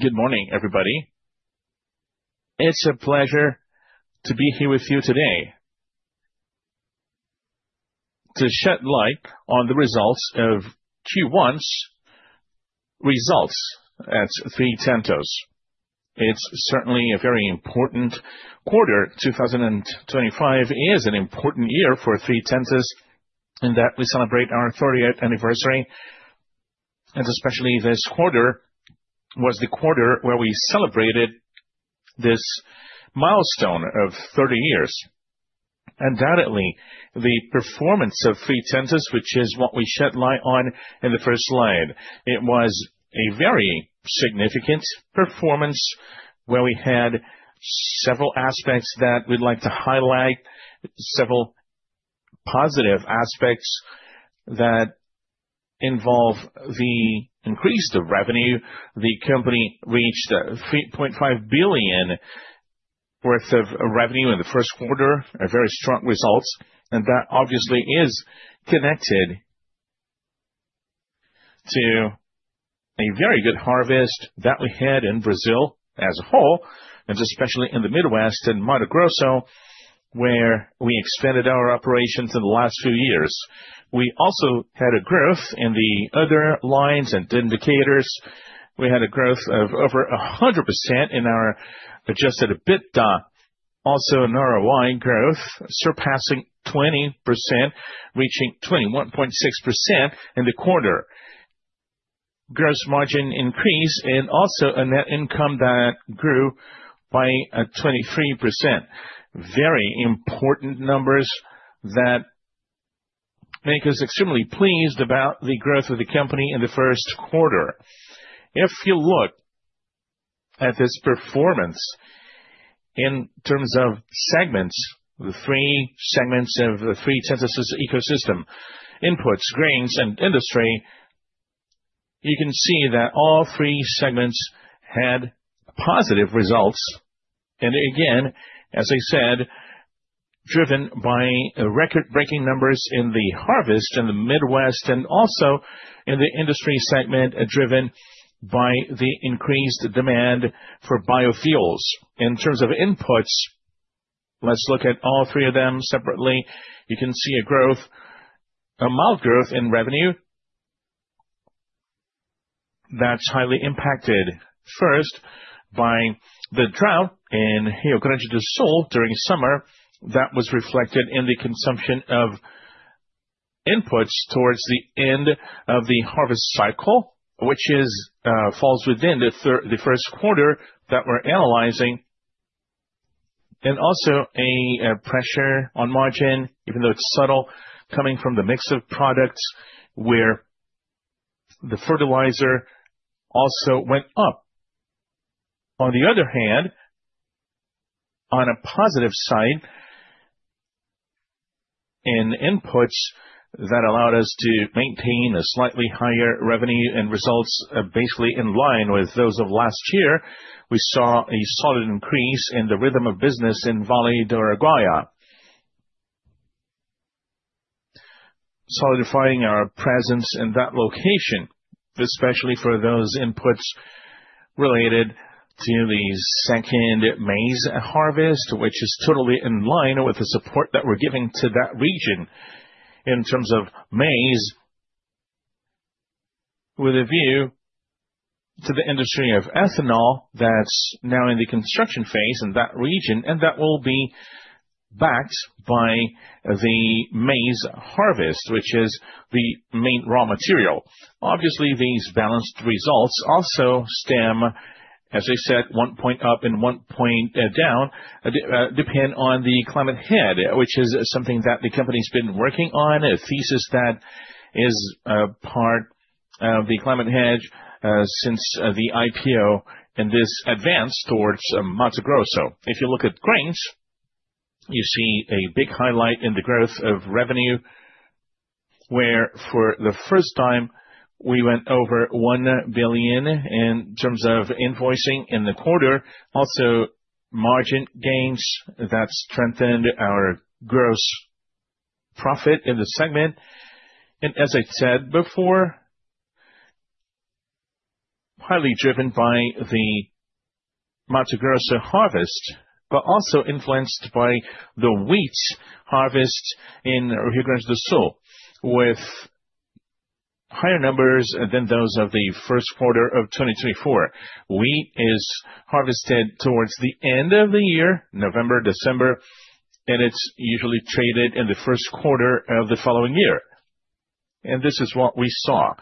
Good morning, everybody. It's a pleasure to be here with you today to shed light on the results of Q1's results at Três Tentos. It's certainly a very important quarter. 2025 is an important year for Três Tentos, in that we celebrate our 30th anniversary. Especially this quarter was the quarter where we celebrated this milestone of 30 years. Undoubtedly, the performance of Três Tentos, which is what we shed light on in the first slide, was a very significant performance, where we had several aspects that we'd like to highlight, several positive aspects that involve the increase of revenue. The company reached 3.5 billion worth of revenue in the first quarter, very strong results. That obviously is connected to a very good harvest that we had in Brazil as a whole, and especially in the Midwest and Mato Grosso, where we expanded our operations in the last few years. We also had a growth in the other lines and indicators. We had a growth of over 100% in our adjusted EBITDA. Also, in our ROI growth, surpassing 20%, reaching 21.6% in the quarter. Gross margin increase and also a net income that grew by 23%. Very important numbers that make us extremely pleased about the growth of the company in the first quarter. If you look at this performance in terms of segments, the three segments of the Três Tentos ecosystem, inputs, grains, and industry, you can see that all three segments had positive results. Again, as I said, driven by record-breaking numbers in the harvest in the Midwest and also in the industry segment, driven by the increased demand for biofuels. In terms of inputs, let's look at all three of them separately. You can see a growth, a mild growth in revenue that's highly impacted first by the drought in Rio Grande do Sul during summer. That was reflected in the consumption of inputs towards the end of the harvest cycle, which falls within the first quarter that we're analyzing. Also a pressure on margin, even though it's subtle, coming from the mix of products where the fertilizer also went up. On the other hand, on a positive side, in inputs that allowed us to maintain a slightly higher revenue and results, basically in line with those of last year, we saw a solid increase in the rhythm of business in Vale do Araguaia, solidifying our presence in that location, especially for those inputs related to the second maize harvest, which is totally in line with the support that we're giving to that region in terms of maize, with a view to the industry of ethanol that's now in the construction phase in that region, and that will be backed by the maize harvest, which is the main raw material. Obviously, these balanced results also stem, as I said, one point up and one point down, depend on the climate hedge, which is something that the company's been working on, a thesis that is part of the climate hedge since the IPO and this advance towards Mato Grosso. If you look at grains, you see a big highlight in the growth of revenue, where for the first time we went over 1 billion in terms of invoicing in the quarter. Also, margin gains that strengthened our gross profit in the segment. As I said before, highly driven by the Mato Grosso harvest, but also influenced by the wheat harvest in Rio Grande do Sul, with higher numbers than those of the first quarter of 2024. Wheat is harvested towards the end of the year, November, December, and it's usually traded in the first quarter of the following year. This is what we saw.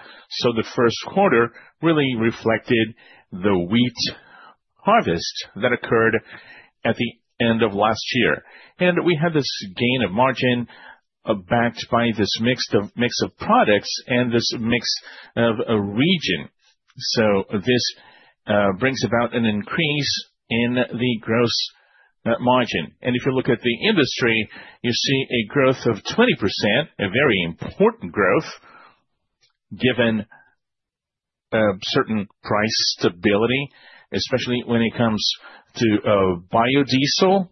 The first quarter really reflected the wheat harvest that occurred at the end of last year. We had this gain of margin backed by this mix of products and this mix of region. This brings about an increase in the gross margin. If you look at the industry, you see a growth of 20%, a very important growth given certain price stability, especially when it comes to biodiesel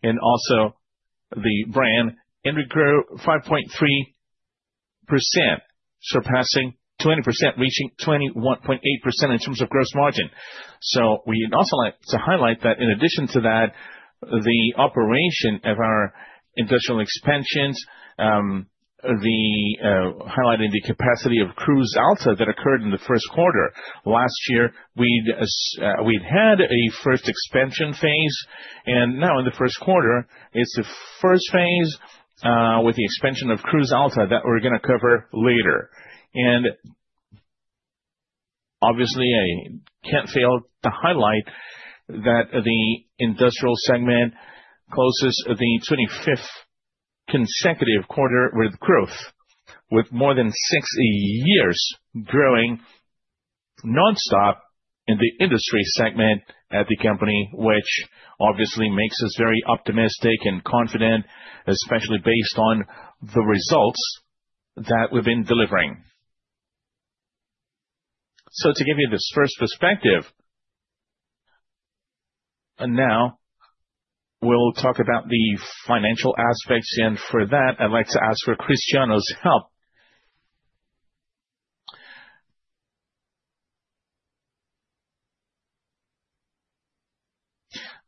and also we plan into grow, 5.3%, surpassing 20%, reaching 21.8% in terms of gross margin. We would also like to highlight that in addition to that, the operation of our industrial expansions, highlighting the capacity of Cruz Alta that occurred in the first quarter. Last year, we'd had a first expansion phase, and now in the first quarter, it's the first phase with the expansion of Cruz Alta that we're going to cover later. Obviously, I can't fail to highlight that the industrial segment closes the 25th consecutive quarter with growth, with more than six years growing nonstop in the industry segment at the company, which obviously makes us very optimistic and confident, especially based on the results that we've been delivering. To give you this first perspective, now we'll talk about the financial aspects. For that, I'd like to ask for Cristiano's help.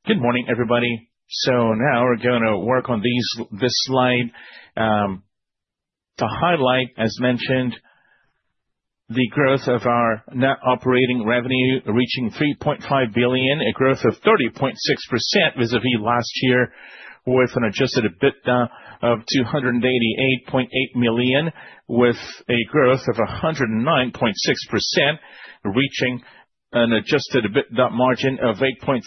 Good morning, everybody. Now we're going to work on this slide to highlight, as mentioned, the growth of our net operating revenue reaching 3.5 billion, a growth of 30.6% vis-à-vis last year, with an adjusted EBITDA of 288.8 million, with a growth of 109.6%, reaching an adjusted EBITDA margin of 8.3%,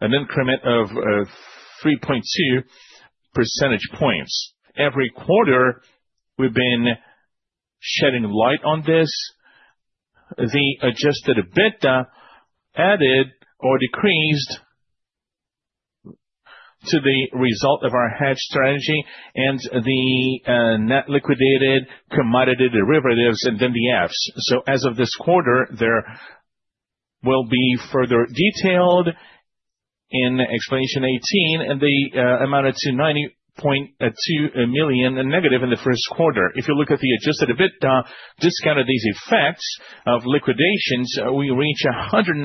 an increment of 3.2 percentage points. Every quarter, we've been shedding light on this. The adjusted EBITDA added or decreased to the result of our hedge strategy and the net liquidated commodity derivatives and MDFs. As of this quarter, there will be further detailed in explanation 18, and the amount amounted to -90.2 million in the first quarter. If you look at the adjusted EBITDA, discounted these effects of liquidations, we reach 198.6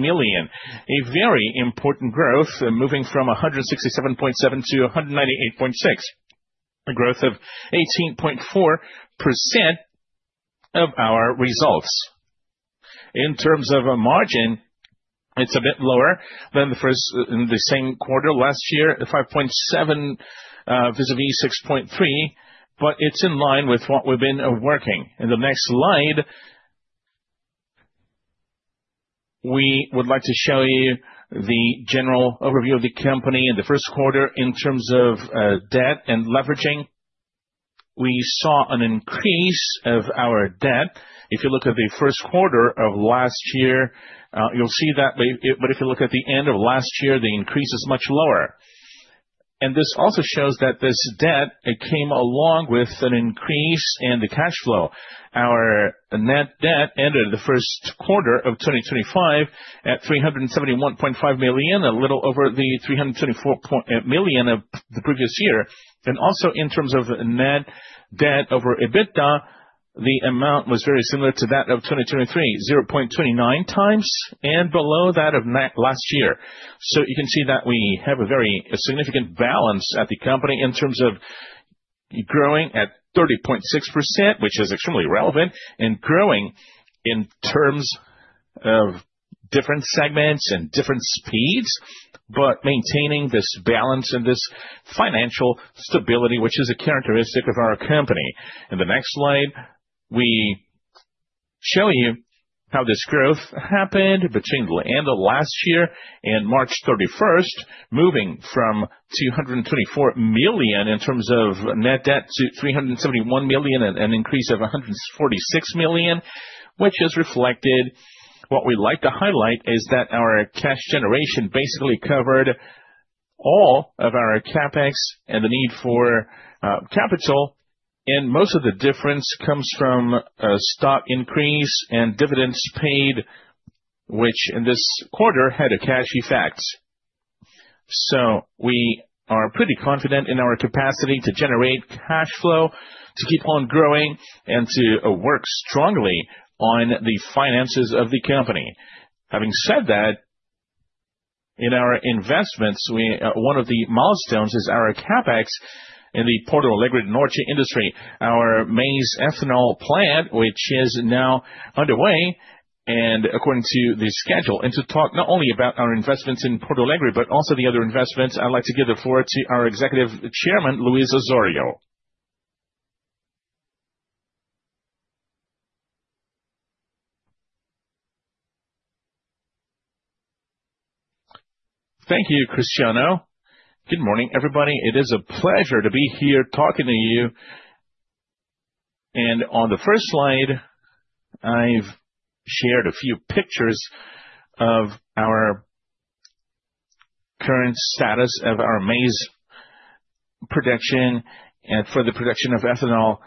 million, a very important growth, moving from 167.7 to 198.6, a growth of 18.4% of our results. In terms of margin, it's a bit lower than the same quarter last year, 5.7% vis-à-vis 6.3%, but it's in line with what we've been working. In the next slide, we would like to show you the general overview of the company in the first quarter in terms of debt and leveraging. We saw an increase of our debt. If you look at the first quarter of last year, you'll see that. If you look at the end of last year, the increase is much lower. This also shows that this debt came along with an increase in the cash flow. Our net debt ended the first quarter of 2025 at 371.5 million, a little over the 324 million of the previous year. Also in terms of net debt over EBITDA, the amount was very similar to that of 2023, 0.29x and below that of last year. You can see that we have a very significant balance at the company in terms of growing at 30.6%, which is extremely relevant, and growing in terms of different segments and different speeds, but maintaining this balance and this financial stability, which is a characteristic of our company. In the next slide, we show you how this growth happened between the end of last year and March 31st, moving from 224 million in terms of net debt to 371 million, an increase of 146 million, which is reflected. What we'd like to highlight is that our cash generation basically covered all of our CapEx and the need for capital. Most of the difference comes from a stock increase and dividends paid, which in this quarter had a cash effect. We are pretty confident in our capacity to generate cash flow, to keep on growing, and to work strongly on the finances of the company. Having said that, in our investments, one of the milestones is our CapEx in the Porto Alegre do Norte industry, our maize ethanol plant, which is now underway, and according to the schedule. To talk not only about our investments in Porto Alegre, but also the other investments, I'd like to give the floor to our Executive Chairman, Luis Osório. Thank you, Cristiano. Good morning, everybody. It is a pleasure to be here talking to you. On the first slide, I've shared a few pictures of our current status of our maize production and for the production of ethanol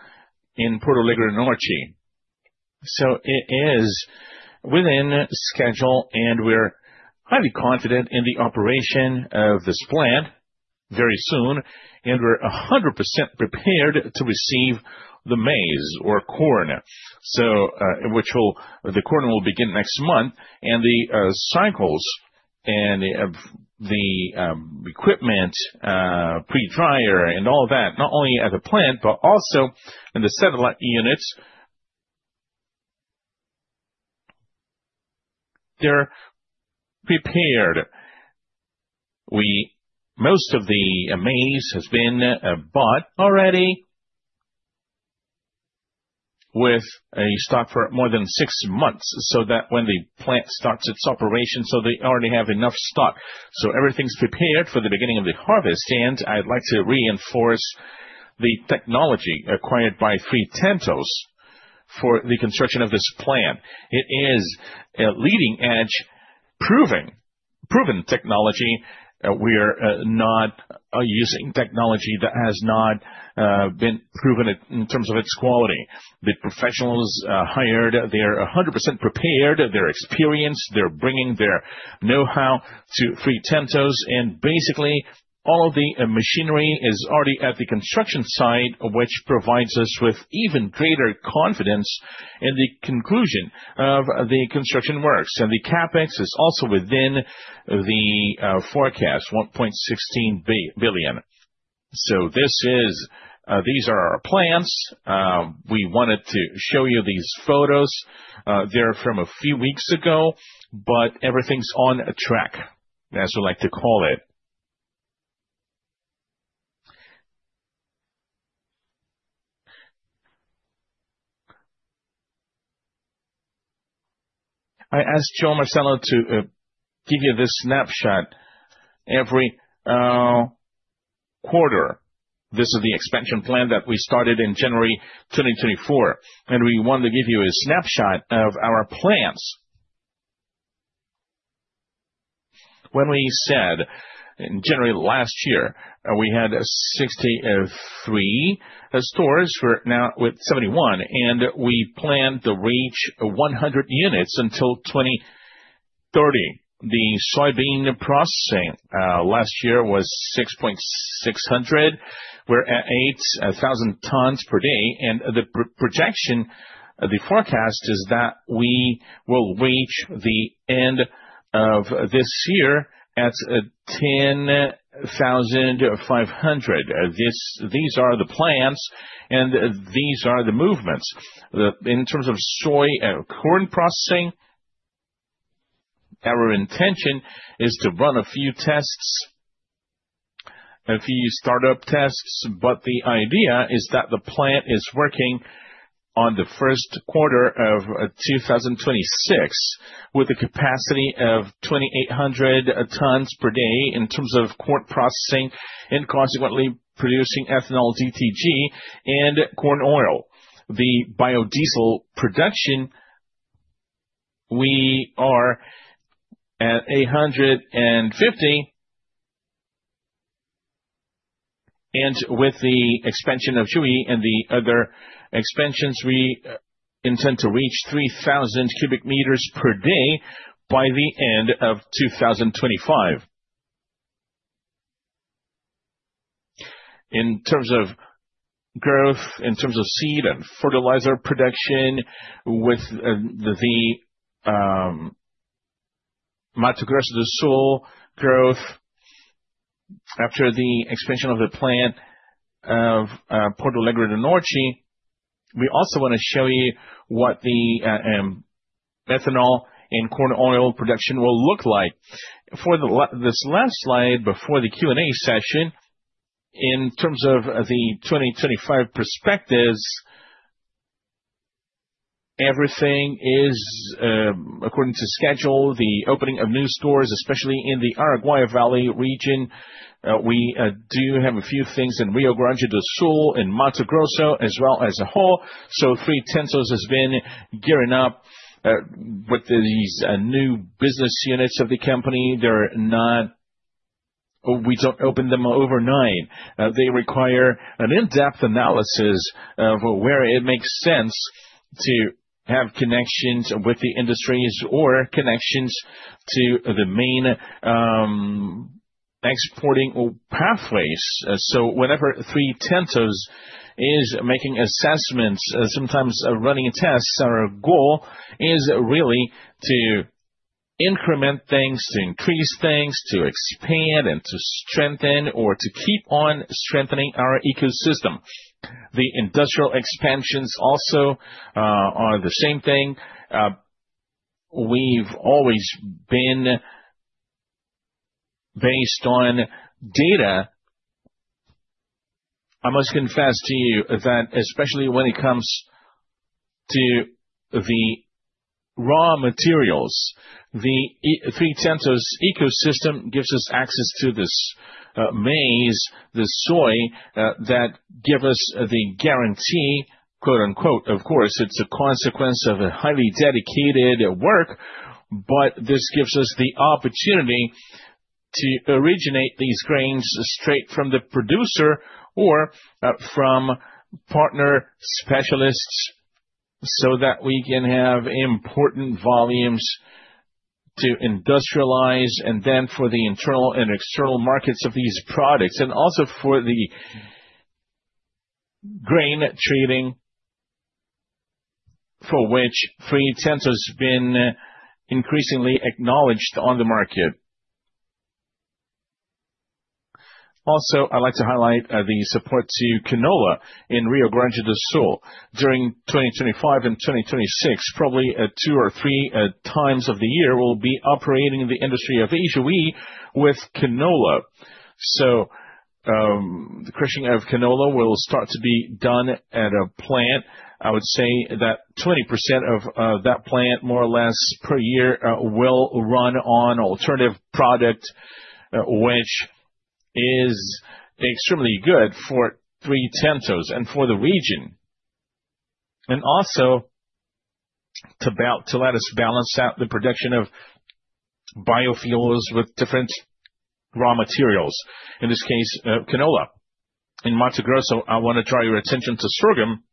in Porto Alegre do Norte. It is within schedule, and we're highly confident in the operation of this plant very soon, and we're 100% prepared to receive the maize or corn, which will, the corn will begin next month, and the cycles and the equipment, pre-dryer, and all that, not only at the plant, but also in the satellite units, they're prepared. Most of the maize has been bought already with a stock for more than six months, so that when the plant starts its operation, they already have enough stock. Everything's prepared for the beginning of the harvest. I'd like to reinforce the technology acquired by Três Tentos for the construction of this plant. It is a leading-edge, proven technology. We're not using technology that has not been proven in terms of its quality. The professionals hired, they're 100% prepared, they're experienced, they're bringing their know-how to Três Tentos, and basically all of the machinery is already at the construction site, which provides us with even greater confidence in the conclusion of the construction works. The CapEx is also within the forecast, BRL 1.16 billion. These are our plants. We wanted to show you these photos. They're from a few weeks ago, but everything's on track, as we like to call it. I asked João Marcelo to give you this snapshot. Every quarter, this is the expansion plan that we started in January 2024, and we wanted to give you a snapshot of our plans. When we said in January last year, we had 63 stores now with 71, and we planned to reach 100 units until 2030. The soybean processing last year was 6,600 tons. We're at 8,000 tons per day, and the projection, the forecast is that we will reach the end of this year at 10,500 tons. These are the plans, and these are the movements. In terms of soy and corn processing, our intention is to run a few tests, a few startup tests, but the idea is that the plant is working on the first quarter of 2026 with a capacity of 2,800 tons per day in terms of corn processing and consequently producing ethanol DDG and corn oil. The biodiesel production, we are at 850 cubic meters, and with the expansion of Chuí and the other expansions, we intend to reach 3,000 cubic meters per day by the end of 2025. In terms of growth, in terms of seed and fertilizer production with the Mato Grosso do Sul growth after the expansion of the plant of Porto Alegre do Norte, we also want to show you what the ethanol and corn oil production will look like. For this last slide before the Q&A session, in terms of the 2025 perspectives, everything is according to schedule, the opening of new stores, especially in the Araguaia Valley region. We do have a few things in Rio Grande do Sul and Mato Grosso, as well as a whole. So Três Tentos has been gearing up with these new business units of the company. They're not, we don't open them overnight. They require an in-depth analysis of where it makes sense to have connections with the industries or connections to the main exporting pathways. Whenever Três Tentos is making assessments, sometimes running tests, our goal is really to increment things, to increase things, to expand and to strengthen or to keep on strengthening our ecosystem. The industrial expansions also are the same thing. We have always been based on data. I must confess to you that especially when it comes to the raw materials, the Três Tentos ecosystem gives us access to this maize, the soy that gives us the guarantee, quote unquote. Of course, it is a consequence of a highly dedicated work, but this gives us the opportunity to originate these grains straight from the producer or from partner specialists so that we can have important volumes to industrialize and then for the internal and external markets of these products and also for the grain trading for which Três Tentos has been increasingly acknowledged on the market. Also, I'd like to highlight the support to canola in Rio Grande do Sul during 2025 and 2026. Probably two or three times of the year we'll be operating in the industry of Ijuí with canola. The crushing of canola will start to be done at a plant. I would say that 20% of that plant, more or less per year, will run on alternative product, which is extremely good for Três Tentos and for the region. It also lets us balance out the production of biofuels with different raw materials, in this case, canola. In Mato Grosso, I want to draw your attention to sorghum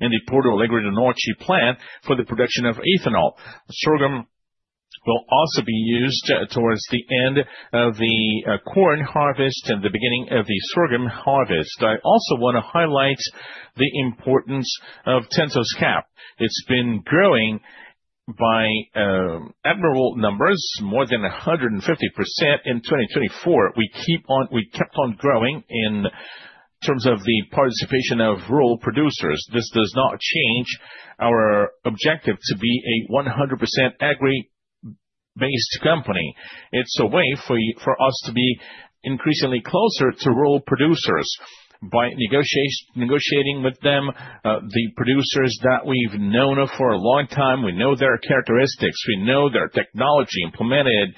in the Porto Alegre do Norte plant for the production of ethanol. Sorghum will also be used towards the end of the corn harvest and the beginning of the sorghum harvest. I also want to highlight the importance of Tentos Cap. It's been growing by admirable numbers, more than 150% in 2024. We kept on growing in terms of the participation of rural producers. This does not change our objective to be a 100% agri-based company. It's a way for us to be increasingly closer to rural producers by negotiating with them, the producers that we've known for a long time. We know their characteristics. We know their technology implemented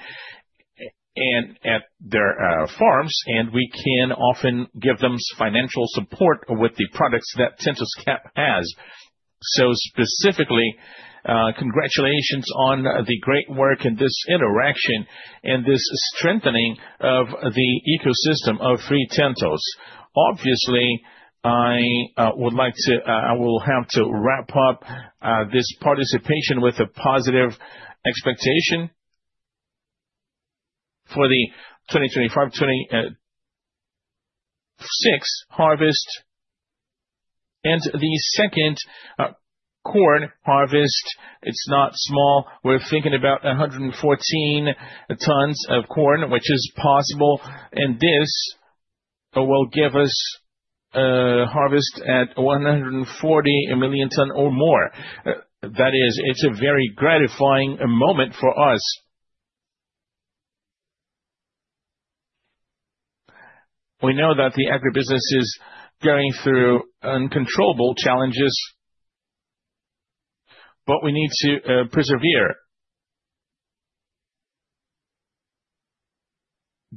at their farms, and we can often give them financial support with the products that Tentos Cap has. So specifically, congratulations on the great work and this interaction and this strengthening of the ecosystem of Três Tentos. Obviously, I would like to, I will have to wrap up this participation with a positive expectation for the 2025-2026 harvest and the second corn harvest. It's not small. We're thinking about 114 tons of corn, which is possible, and this will give us a harvest at 140 million tons or more. That is, it's a very gratifying moment for us. We know that the agribusiness is going through uncontrollable challenges, but we need to persevere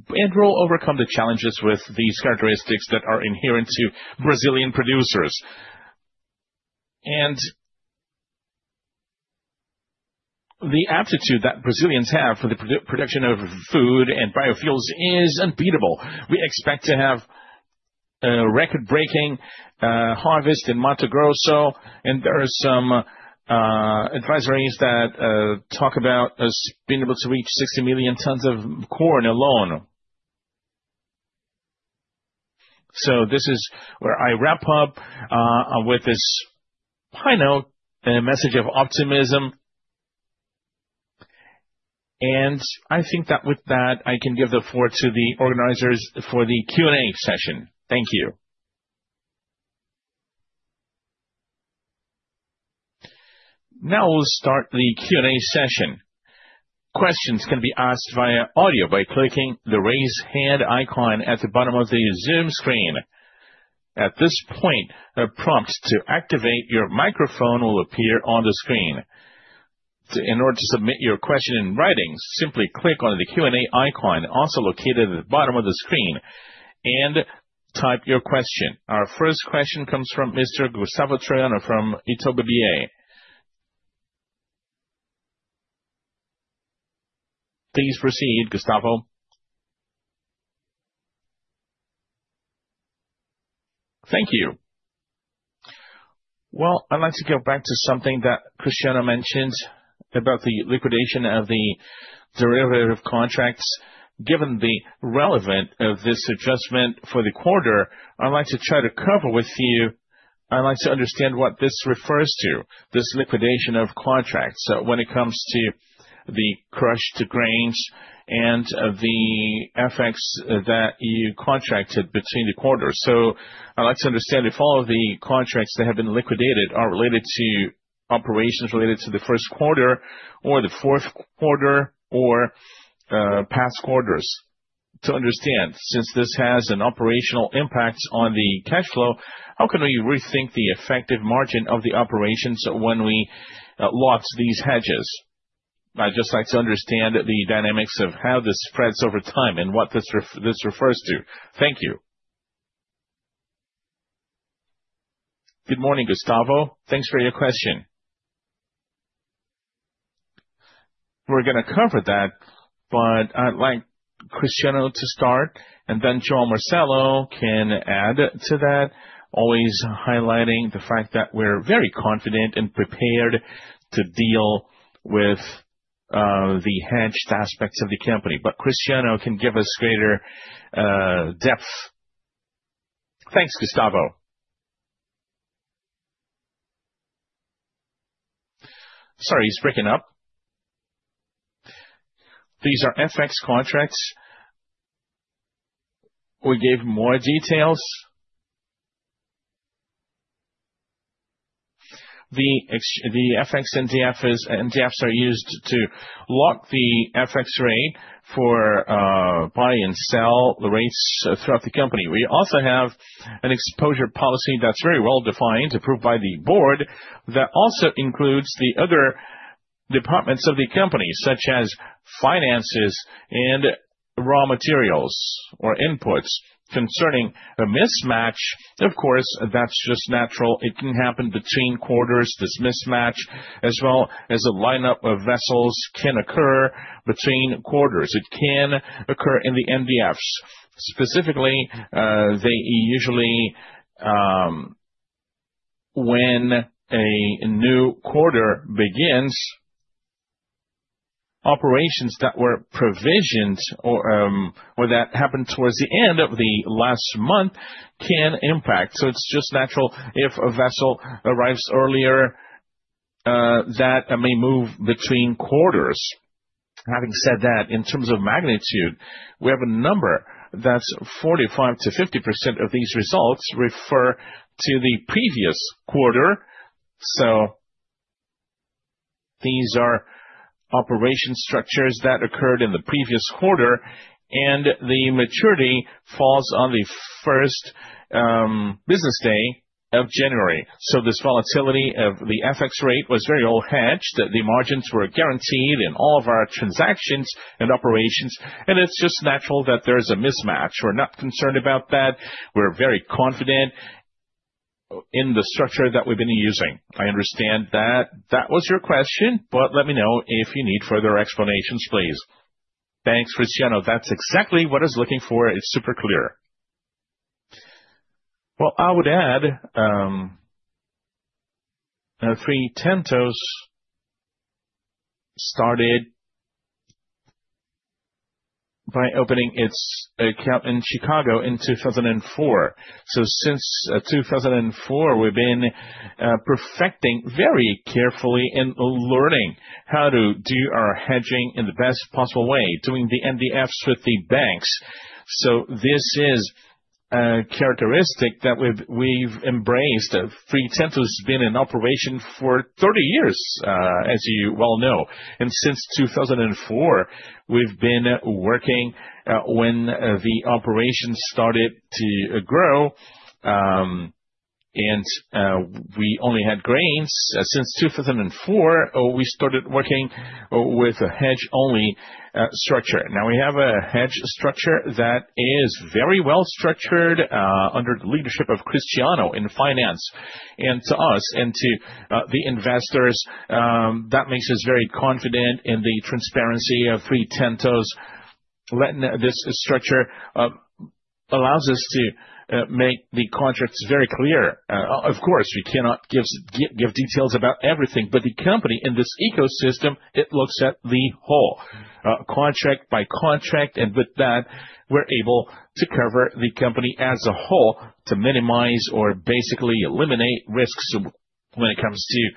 and we'll overcome the challenges with these characteristics that are inherent to Brazilian producers. The aptitude that Brazilians have for the production of food and biofuels is unbeatable. We expect to have a record-breaking harvest in Mato Grosso, and there are some advisories that talk about being able to reach 60 million tons of corn alone. This is where I wrap up with this final message of optimism. I think that with that, I can give the floor to the organizers for the Q&A session. Thank you. Now we'll start the Q&A session. Questions can be asked via audio by clicking the raise hand icon at the bottom of the Zoom screen. At this point, a prompt to activate your microphone will appear on the screen. In order to submit your question in writing, simply click on the Q&A icon also located at the bottom of the screen and type your question. Our first question comes from Mr. Gustavo Troyano from Itaú BBA. Please proceed, Gustavo. Thank you. I would like to go back to something that Cristiano mentioned about the liquidation of the derivative contracts. Given the relevance of this adjustment for the quarter, I would like to try to cover with you. I would like to understand what this refers to, this liquidation of contracts when it comes to the crush to grains and the FX that you contracted between the quarters. I would like to understand if all of the contracts that have been liquidated are related to operations related to the first quarter or the fourth quarter or past quarters. To understand, since this has an operational impact on the cash flow, how can we rethink the effective margin of the operations when we lock these hedges? I would just like to understand the dynamics of how this spreads over time and what this refers to. Thank you. Good morning, Gustavo. Thanks for your question. We are going to cover that, but I would like Cristiano to start, and then João Marcelo can add to that, always highlighting the fact that we are very confident and prepared to deal with the hedged aspects of the company, but Cristiano can give us greater depth. Thanks, Gustavo. Sorry, he is breaking up. These are FX contracts. We gave more details. The FX and MDFs are used to lock the FX rate for buy and sell rates throughout the company. We also have an exposure policy that's very well defined, approved by the board, that also includes the other departments of the company, such as finances and raw materials or inputs. Concerning a mismatch, of course, that's just natural. It can happen between quarters. This mismatch, as well as a lineup of vessels, can occur between quarters. It can occur in the MDFs. Specifically, they usually, when a new quarter begins, operations that were provisioned or that happened towards the end of the last month can impact. It is just natural if a vessel arrives earlier that may move between quarters. Having said that, in terms of magnitude, we have a number that's 45%-50% of these results refer to the previous quarter. These are operation structures that occurred in the previous quarter, and the maturity falls on the first business day of January. This volatility of the FX rate was very well hedged. The margins were guaranteed in all of our transactions and operations, and it is just natural that there is a mismatch. We are not concerned about that. We are very confident in the structure that we have been using. I understand that that was your question, but let me know if you need further explanations, please. Thanks, Cristiano. That is exactly what I was looking for. It is super clear. I would add Três Tentos started by opening its account in Chicago in 2004. Since 2004, we have been perfecting very carefully and learning how to do our hedging in the best possible way, doing the MDFs with the banks. This is a characteristic that we have embraced. Três Tentos has been in operation for 30 years, as you well know. Since 2004, we have been working when the operation started to grow, and we only had grains. Since 2004, we started working with a hedge-only structure. Now we have a hedge structure that is very well structured under the leadership of Cristiano in finance and to us and to the investors. That makes us very confident in the transparency of Três Tentos. This structure allows us to make the contracts very clear. Of course, we cannot give details about everything, but the company in this ecosystem, it looks at the whole contract by contract. With that, we're able to cover the company as a whole to minimize or basically eliminate risks when it comes to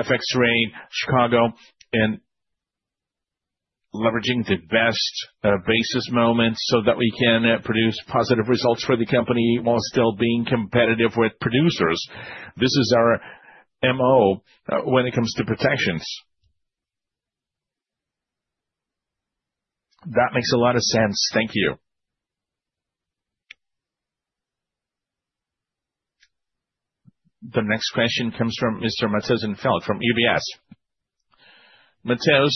FX rate, Chicago, and leveraging the best basis moment so that we can produce positive results for the company while still being competitive with producers. This is our MO when it comes to protections. That makes a lot of sense. Thank you. The next question comes from Mr. Matheus Enfeldt from UBS. Matheus,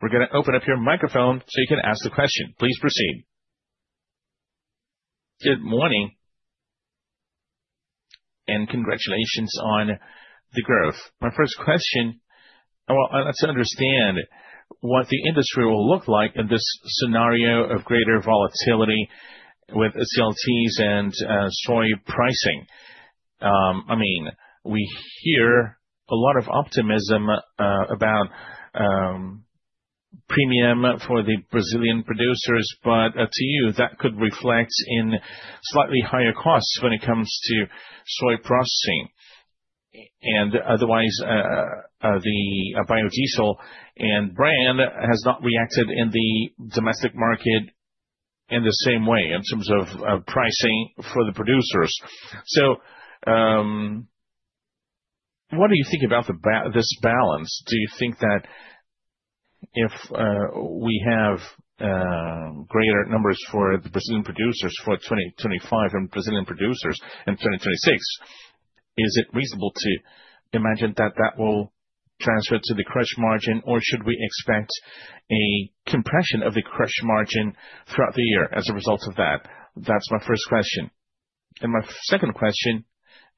we're going to open up your microphone so you can ask the question. Please proceed. Good morning and congratulations on the growth. My first question, I'd like to understand what the industry will look like in this scenario of greater volatility with CLTs and soy pricing. I mean, we hear a lot of optimism about premium for the Brazilian producers, but to you, that could reflect in slightly higher costs when it comes to soy processing. Otherwise, the biodiesel brand has not reacted in the domestic market in the same way in terms of pricing for the producers. What do you think about this balance? Do you think that if we have greater numbers for the Brazilian producers for 2025 and Brazilian producers in 2026, is it reasonable to imagine that that will transfer to the crush margin, or should we expect a compression of the crush margin throughout the year as a result of that? That's my first question. My second question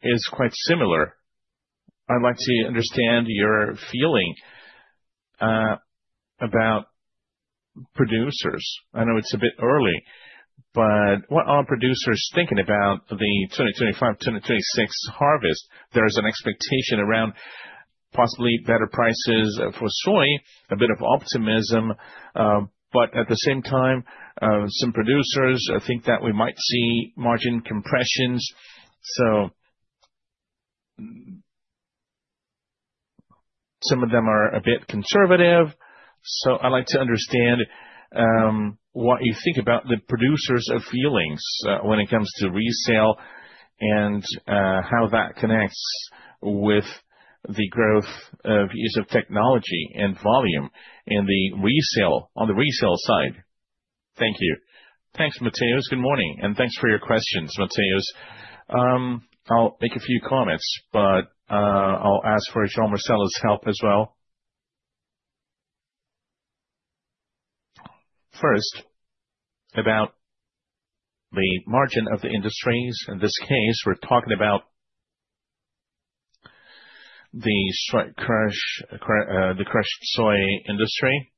is quite similar. I'd like to understand your feeling about producers. I know it's a bit early, but what are producers thinking about the 2025-2026 harvest? There is an expectation around possibly better prices for soy, a bit of optimism, but at the same time, some producers think that we might see margin compressions. Some of them are a bit conservative. I would like to understand what you think about the producers' feelings when it comes to resale and how that connects with the growth of use of technology and volume on the resale side. Thank you. Thanks, Matheus. Good morning, and thanks for your questions, Matheus. I will make a few comments, but I will ask for João Marcelo's help as well. First, about the margin of the industries. In this case, we are talking about the crushed soy industry.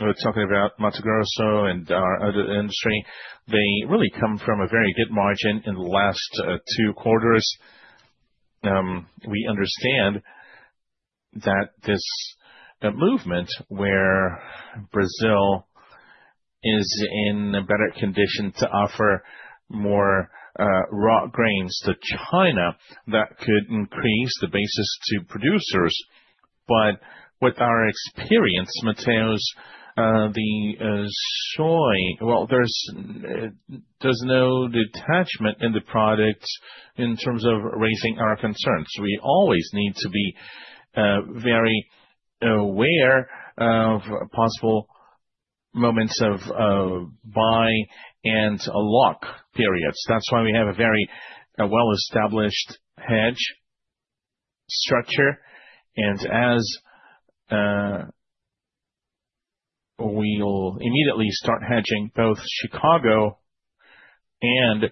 We are talking about Mato Grosso and our other industry. They really come from a very good margin in the last two quarters. We understand that this movement where Brazil is in a better condition to offer more raw grains to China could increase the basis to producers. With our experience, Matheus, the soy, there is no detachment in the product in terms of raising our concerns. We always need to be very aware of possible moments of buy and lock periods. That is why we have a very well-established hedge structure. As we will immediately start hedging both Chicago and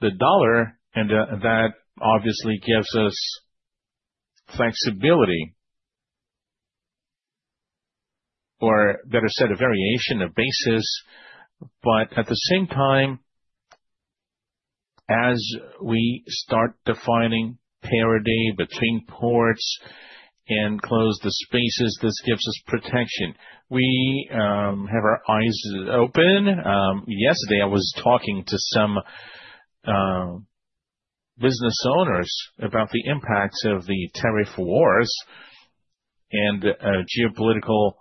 the dollar, that obviously gives us flexibility, or better said, a variation of basis. At the same time, as we start defining parity between ports and close the spaces, this gives us protection. We have our eyes open. Yesterday, I was talking to some business owners about the impacts of the tariff wars and geopolitical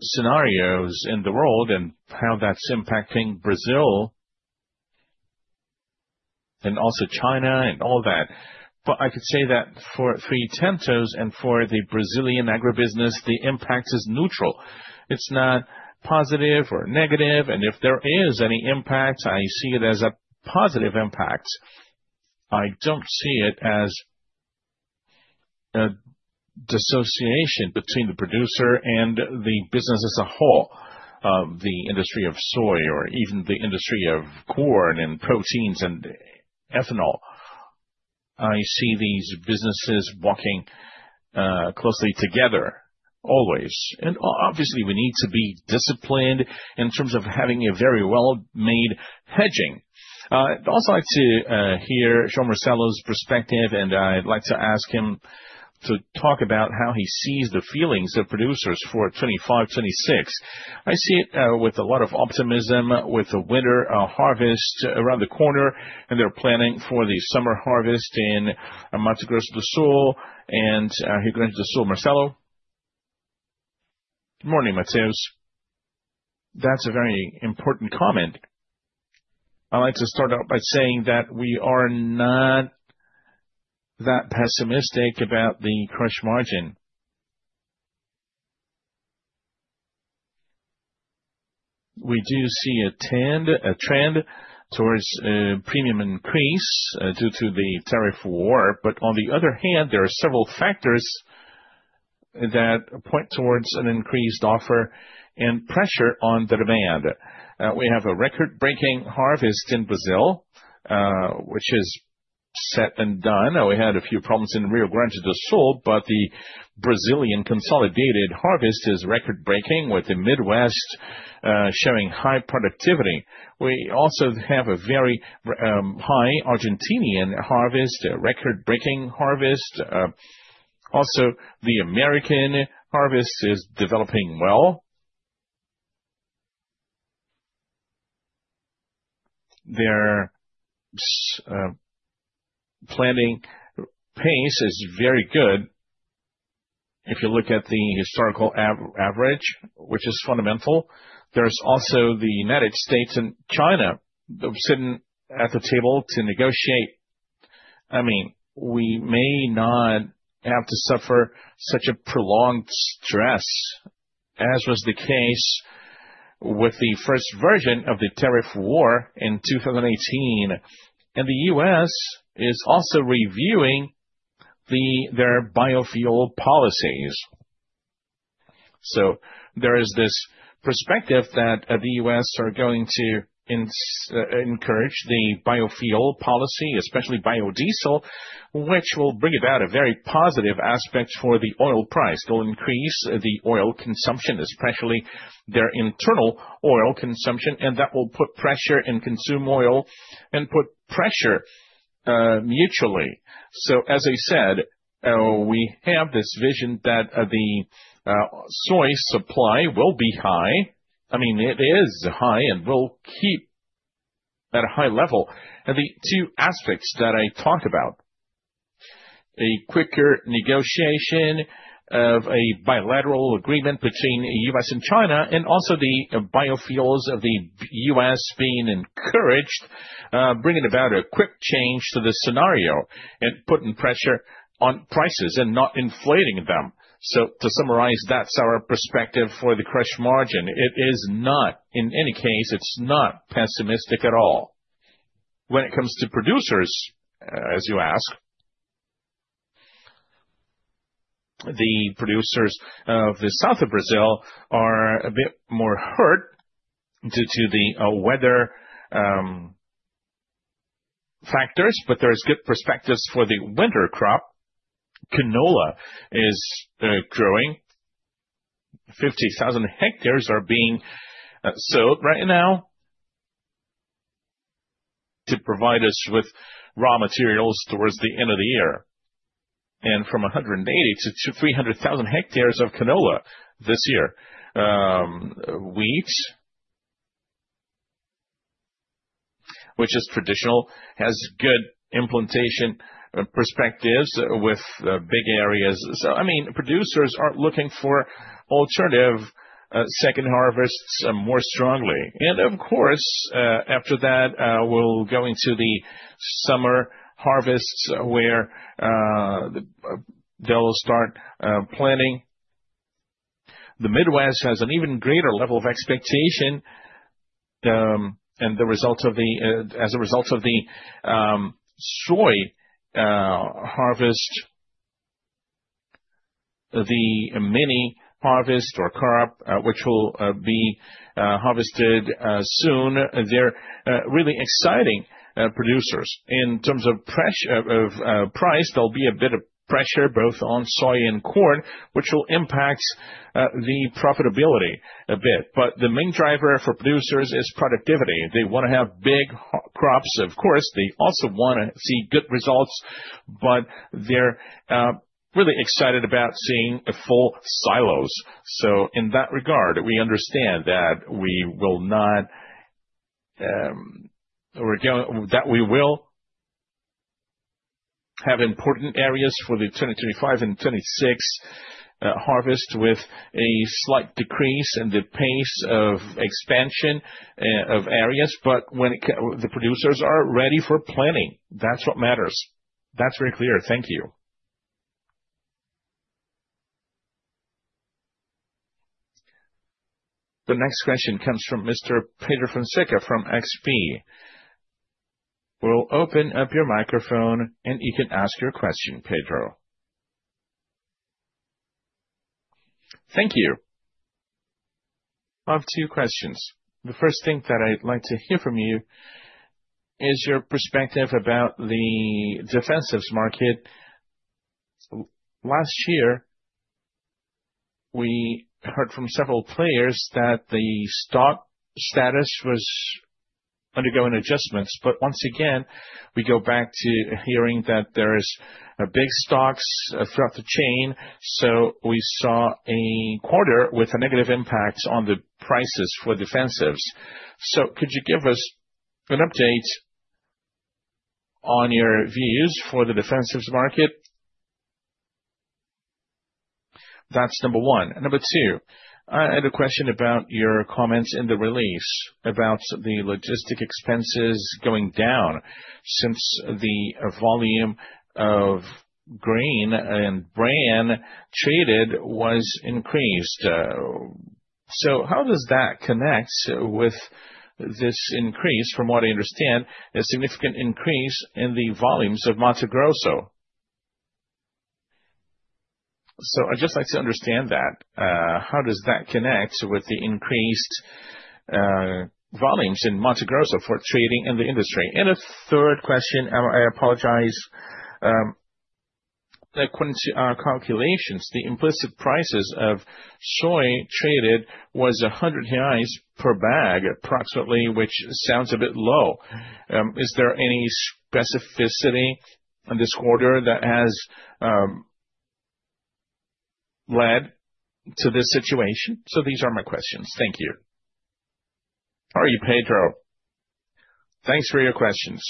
scenarios in the world and how that is impacting Brazil and also China and all that. I could say that for Três Tentos and for the Brazilian agribusiness, the impact is neutral. It is not positive or negative. If there is any impact, I see it as a positive impact. I do not see it as a dissociation between the producer and the business as a whole, the industry of soy or even the industry of corn and proteins and ethanol. I see these businesses walking closely together always. Obviously, we need to be disciplined in terms of having a very well-made hedging. I would also like to hear João Marcelo's perspective, and I would like to ask him to talk about how he sees the feelings of producers for 2025-2026. I see it with a lot of optimism, with a winter harvest around the corner, and they're planning for the summer harvest in Mato Grosso do Sul and Rio Grande do Sul, Marcelo. Good morning, Matheus. That's a very important comment. I'd like to start out by saying that we are not that pessimistic about the crush margin. We do see a trend towards a premium increase due to the tariff war, but on the other hand, there are several factors that point towards an increased offer and pressure on the demand. We have a record-breaking harvest in Brazil, which is set and done. We had a few problems in Rio Grande do Sul, but the Brazilian consolidated harvest is record-breaking, with the Midwest showing high productivity. We also have a very high Argentinian harvest, a record-breaking harvest. Also, the American harvest is developing well. Their planting pace is very good. If you look at the historical average, which is fundamental, there is also the United States and China sitting at the table to negotiate. I mean, we may not have to suffer such a prolonged stress, as was the case with the first version of the tariff war in 2018. The U.S. is also reviewing their biofuel policies. There is this perspective that the U.S. are going to encourage the biofuel policy, especially biodiesel, which will bring about a very positive aspect for the oil price. It will increase the oil consumption, especially their internal oil consumption, and that will put pressure and consume oil and put pressure mutually. As I said, we have this vision that the soy supply will be high. I mean, it is high and will keep at a high level. The two aspects that I talked about, a quicker negotiation of a bilateral agreement between the U.S. and China, and also the biofuels of the U.S. being encouraged, bring about a quick change to the scenario and put pressure on prices and not inflating them. To summarize, that is our perspective for the crush margin. It is not, in any case, it is not pessimistic at all. When it comes to producers, as you ask, the producers of the south of Brazil are a bit more hurt due to the weather factors, but there are good perspectives for the winter crop. Canola is growing. 50,000 hectares are being sowed right now to provide us with raw materials towards the end of the year. From 180,000 hectares-300,000 hectares of canola this year. Wheat, which is traditional, has good implementation perspectives with big areas. I mean, producers are looking for alternative second harvests more strongly. Of course, after that, we'll go into the summer harvests where they'll start planting. The Midwest has an even greater level of expectation as a result of the soy harvest, the mini harvest or crop, which will be harvested soon. They're really exciting producers. In terms of price, there'll be a bit of pressure both on soy and corn, which will impact the profitability a bit. The main driver for producers is productivity. They want to have big crops, of course. They also want to see good results, but they're really excited about seeing full silos. In that regard, we understand that we will have important areas for the 2025 and 2026 harvest with a slight decrease in the pace of expansion of areas, but the producers are ready for planting. That's what matters. That's very clear. Thank you. The next question comes from Mr. Pedro Fonseca from XP. We'll open up your microphone, and you can ask your question, Pedro. Thank you. I have two questions. The first thing that I'd like to hear from you is your perspective about the defensives market. Last year, we heard from several players that the stock status was undergoing adjustments, but once again, we go back to hearing that there are big stocks throughout the chain, so we saw a quarter with a negative impact on the prices for defensives. Could you give us an update on your views for the defensives market? That's number one. Number two, I had a question about your comments in the release about the logistic expenses going down since the volume of grain and bran traded was increased. How does that connect with this increase, from what I understand, a significant increase in the volumes of Mato Grosso? I'd just like to understand that. How does that connect with the increased volumes in Mato Grosso for trading in the industry? A third question, I apologize. According to our calculations, the implicit prices of soy traded was 100 reais per bag, approximately, which sounds a bit low. Is there any specificity in this quarter that has led to this situation? These are my questions. Thank you. How are you, Pedro? Thanks for your questions.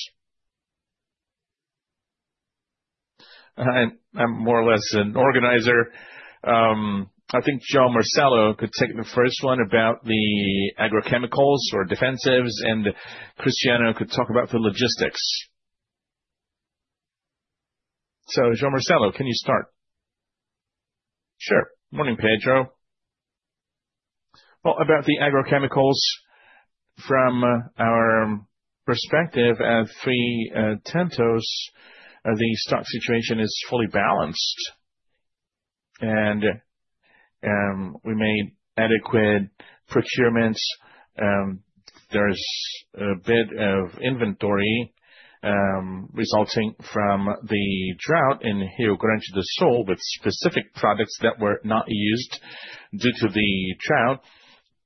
I'm more or less an organizer. I think João Marcelo could take the first one about the agrochemicals or defensives, and Cristiano could talk about the logistics. João Marcelo, can you start? Sure. Morning, Pedro. About the agrochemicals, from our perspective at Três Tentos, the stock situation is fully balanced, and we made adequate procurements. There is a bit of inventory resulting from the drought in Rio Grande do Sul with specific products that were not used due to the drought,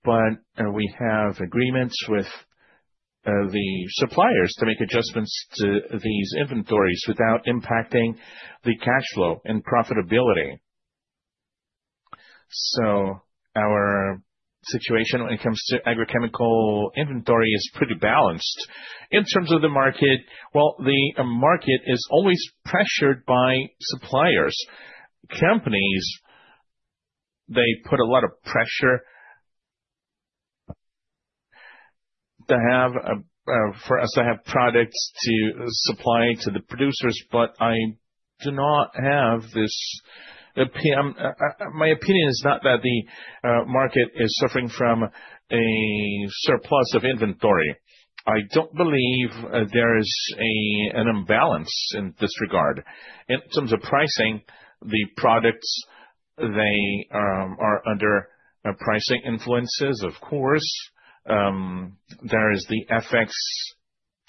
but we have agreements with the suppliers to make adjustments to these inventories without impacting the cash flow and profitability. Our situation when it comes to agrochemical inventory is pretty balanced. In terms of the market, the market is always pressured by suppliers. Companies, they put a lot of pressure for us to have products to supply to the producers, but I do not have this, my opinion is not that the market is suffering from a surplus of inventory. I do not believe there is an imbalance in this regard. In terms of pricing, the products, they are under pricing influences, of course. There is the FX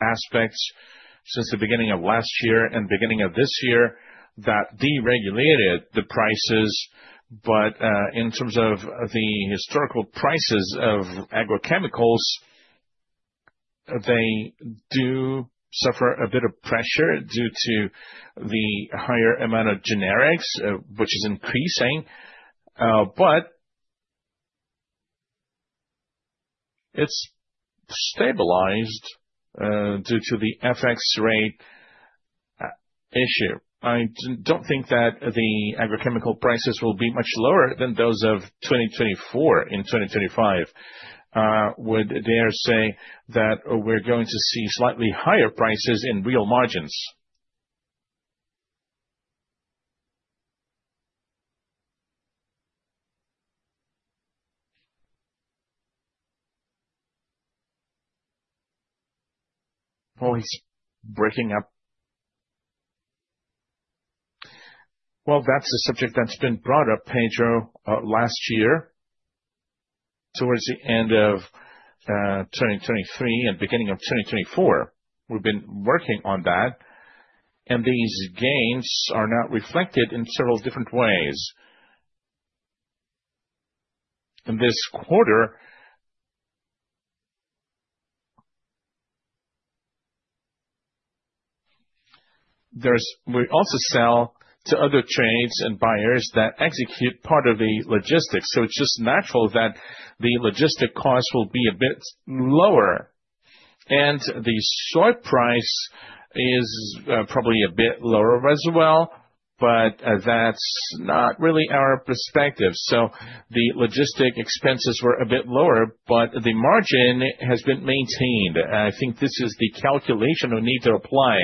aspect since the beginning of last year and beginning of this year that deregulated the prices, but in terms of the historical prices of agrochemicals, they do suffer a bit of pressure due to the higher amount of generics, which is increasing, but it is stabilized due to the FX rate issue. I do not think that the agrochemical prices will be much lower than those of 2024 and 2025, would dare say that we are going to see slightly higher prices in real margins. Always breaking up. That is a subject that has been brought up, Pedro, last year. Towards the end of 2023 and beginning of 2024, we have been working on that, and these gains are now reflected in several different ways. In this quarter, we also sell to other trades and buyers that execute part of the logistics, so it's just natural that the logistic costs will be a bit lower. And the soy price is probably a bit lower as well, but that's not really our perspective. So, the logistic expenses were a bit lower, but the margin has been maintained. I think this is the calculation we need to apply.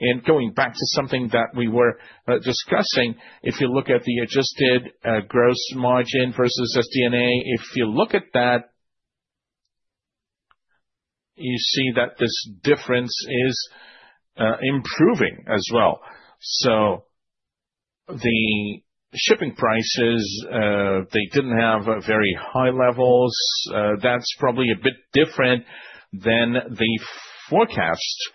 And going back to something that we were discussing, if you look at the adjusted gross margin versus SG&A, if you look at that, you see that this difference is improving as well. So, the shipping prices, they didn't have very high levels. That's probably a bit different than the forecast.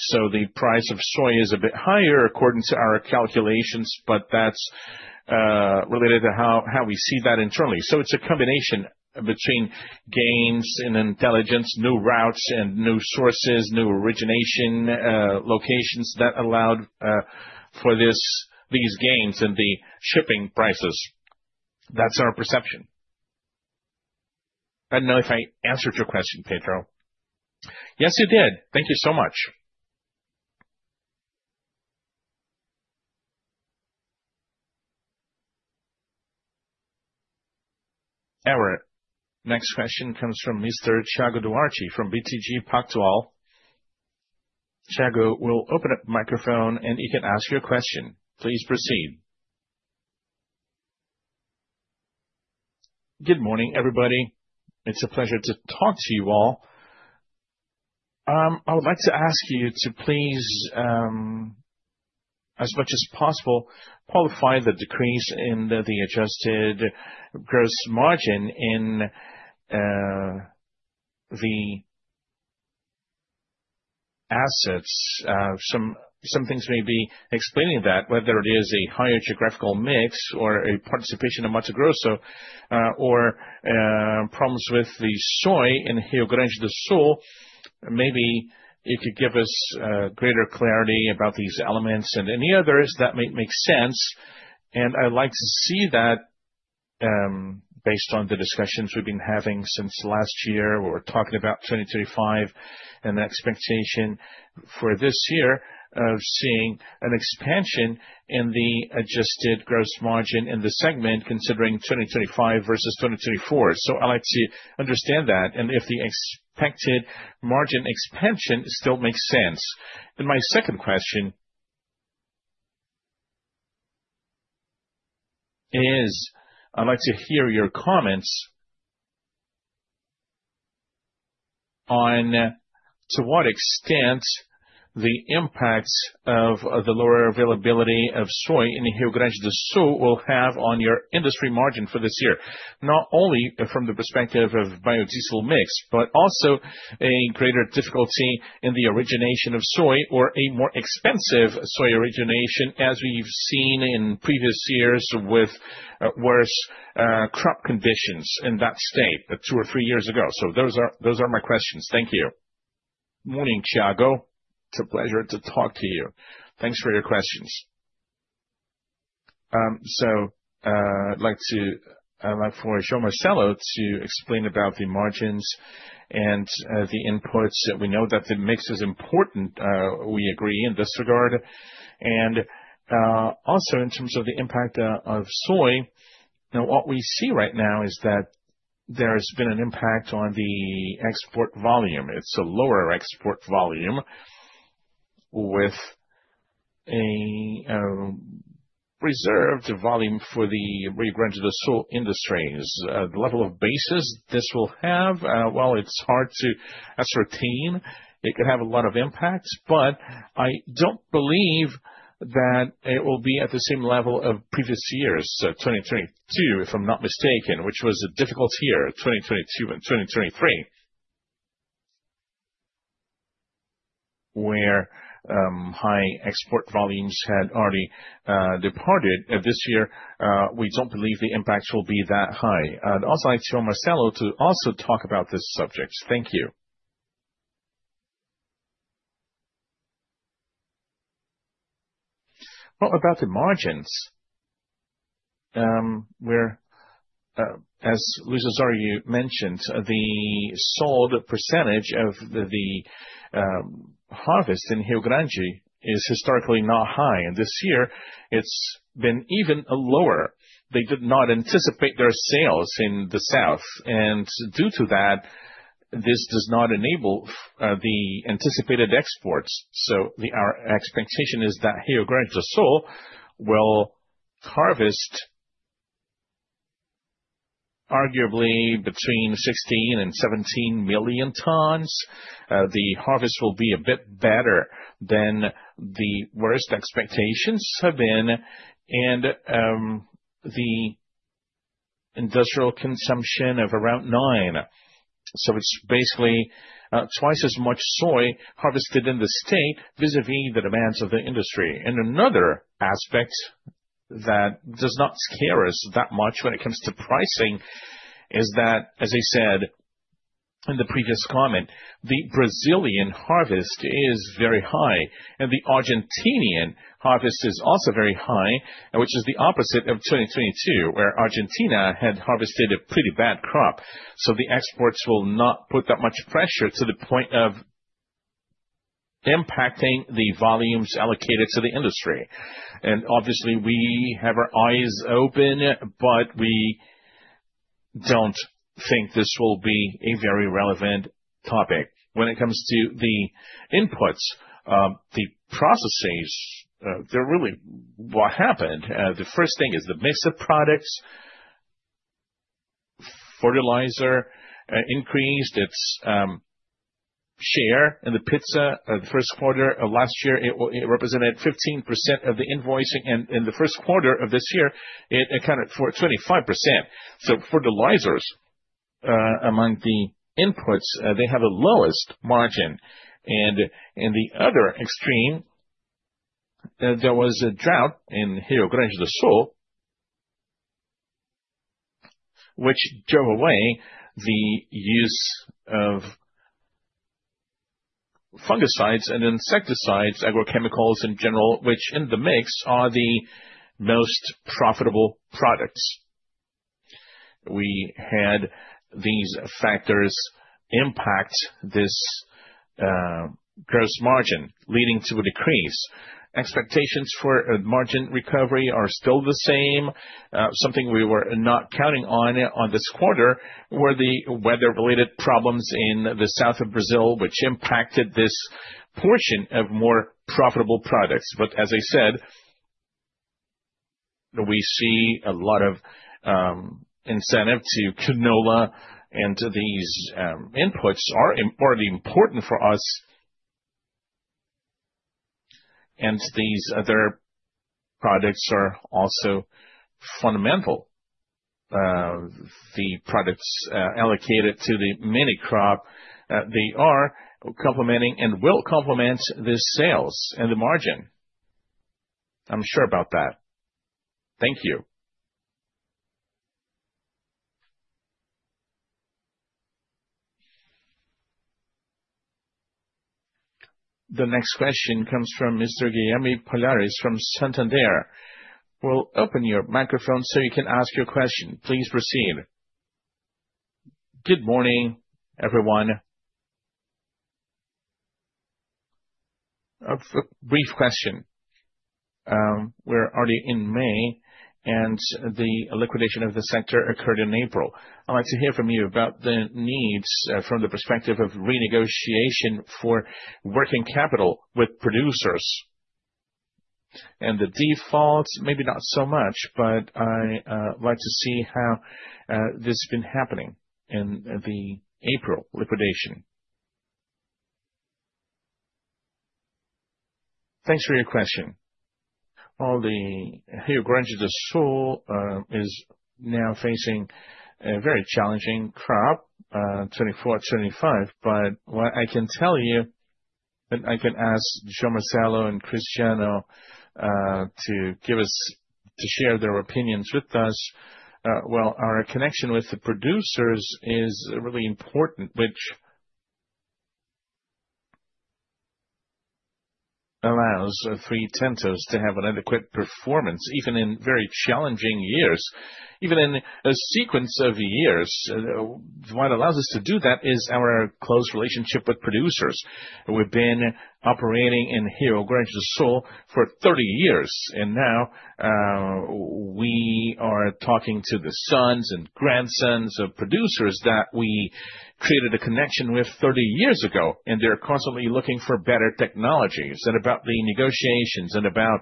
So, the price of soy is a bit higher according to our calculations, but that's related to how we see that internally. It's a combination between gains in intelligence, new routes and new sources, new origination locations that allowed for these gains in the shipping prices. That's our perception. I don't know if I answered your question, Pedro. Yes, you did. Thank you so much. All right. Next question comes from Mr. Thiago Duarte from BTG Pactual. Thiago, we'll open up the microphone, and you can ask your question. Please proceed. Good morning, everybody. It's a pleasure to talk to you all. I would like to ask you to please, as much as possible, qualify the decrease in the adjusted gross margin in the assets. Some things may be explaining that, whether it is a higher geographical mix or a participation of Mato Grosso or problems with the soy in Rio Grande do Sul. Maybe you could give us greater clarity about these elements and any others that might make sense. I'd like to see that based on the discussions we've been having since last year. We're talking about 2025 and the expectation for this year of seeing an expansion in the adjusted gross margin in the segment considering 2025 versus 2024. I'd like to understand that and if the expected margin expansion still makes sense. My second question is, I'd like to hear your comments on to what extent the impact of the lower availability of soy in Rio Grande do Sul will have on your industry margin for this year, not only from the perspective of biodiesel mix, but also a greater difficulty in the origination of soy or a more expensive soy origination as we've seen in previous years with worse crop conditions in that state two or three years ago. Those are my questions. Thank you. Morning, Thiago. It's a pleasure to talk to you. Thanks for your questions. I'd like to ask for João Marcelo to explain about the margins and the inputs. We know that the mix is important. We agree in this regard. Also, in terms of the impact of soy, what we see right now is that there has been an impact on the export volume. It's a lower export volume with a reserved volume for the Rio Grande do Sul industries. The level of basis this will have, it's hard to ascertain. It could have a lot of impacts, but I don't believe that it will be at the same level of previous years, 2022, if I'm not mistaken, which was a difficult year, 2022 and 2023, where high export volumes had already departed. This year, we don't believe the impacts will be that high. I'd also like to ask João Marcelo to also talk about this subject. Thank you. About the margins, as Luis Osório mentioned, the sold percentage of the harvest in Rio Grande do Sul is historically not high, and this year, it's been even lower. They did not anticipate their sales in the south, and due to that, this does not enable the anticipated exports. Our expectation is that Rio Grande do Sul will harvest arguably between 16 million tons-17 million tons. The harvest will be a bit better than the worst expectations have been and the industrial consumption of around 9%. So, it's basically twice as much soy harvested in the state vis-à-vis the demands of the industry. Another aspect that does not scare us that much when it comes to pricing is that, as I said in the previous comment, the Brazilian harvest is very high, and the Argentinian harvest is also very high, which is the opposite of 2022, where Argentina had harvested a pretty bad crop. The exports will not put that much pressure to the point of impacting the volumes allocated to the industry. Obviously, we have our eyes open, but we do not think this will be a very relevant topic. When it comes to the inputs, the processes, they are really what happened. The first thing is the mix of products, fertilizer increased its share in the pizza the first quarter of last year. It represented 15% of the invoicing, and in the first quarter of this year, it accounted for 25%. Fertilizers among the inputs, they have the lowest margin. In the other extreme, there was a drought in Rio Grande do Sul, which drove away the use of fungicides and insecticides, agrochemicals in general, which in the mix are the most profitable products. We had these factors impact this gross margin, leading to a decrease. Expectations for margin recovery are still the same. Something we were not counting on this quarter were the weather-related problems in the south of Brazil, which impacted this portion of more profitable products. As I said, we see a lot of incentive to canola, and these inputs are important for us, and these other products are also fundamental. The products allocated to the mini crop, they are complementing and will complement the sales and the margin. I'm sure about that. Thank you. The next question comes from Mr. Guilherme Palhares from Santander. We'll open your microphone so you can ask your question. Please proceed. Good morning, everyone. A brief question. We're already in May, and the liquidation of the sector occurred in April. I'd like to hear from you about the needs from the perspective of renegotiation for working capital with producers. And the defaults, maybe not so much, but I'd like to see how this has been happening in the April liquidation. Thanks for your question. The Rio Grande do Sul is now facing a very challenging crop, 2024-2025, but what I can tell you, and I can ask João Marcelo and Cristiano to share their opinions with us, our connection with the producers is really important, which allows Três Tentos to have an adequate performance, even in very challenging years, even in a sequence of years. What allows us to do that is our close relationship with producers. have been operating in Rio Grande do Sul for 30 years, and now we are talking to the sons and grandsons of producers that we created a connection with 30 years ago, and they are constantly looking for better technologies. About the negotiations and about,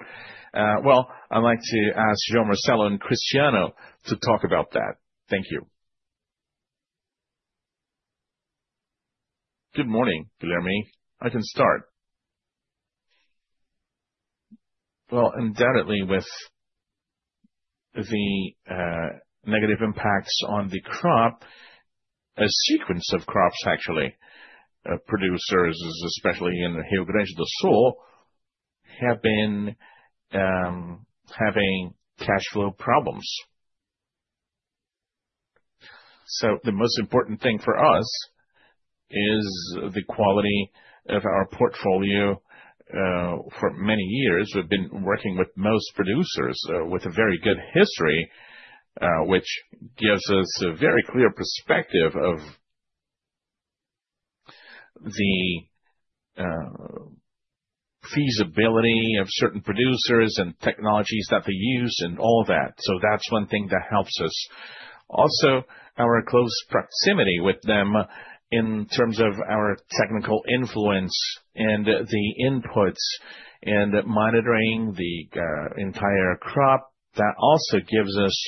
I would like to ask João Marcelo and Cristiano to talk about that. Thank you. Good morning, Guilherme. I can start. Undoubtedly, with the negative impacts on the crop, a sequence of crops, actually, producers, especially in Rio Grande do Sul, have been having cash flow problems. The most important thing for us is the quality of our portfolio. For many years, we have been working with most producers with a very good history, which gives us a very clear perspective of the feasibility of certain producers and technologies that they use and all that. That is one thing that helps us. Also, our close proximity with them in terms of our technical influence and the inputs and monitoring the entire crop, that also gives us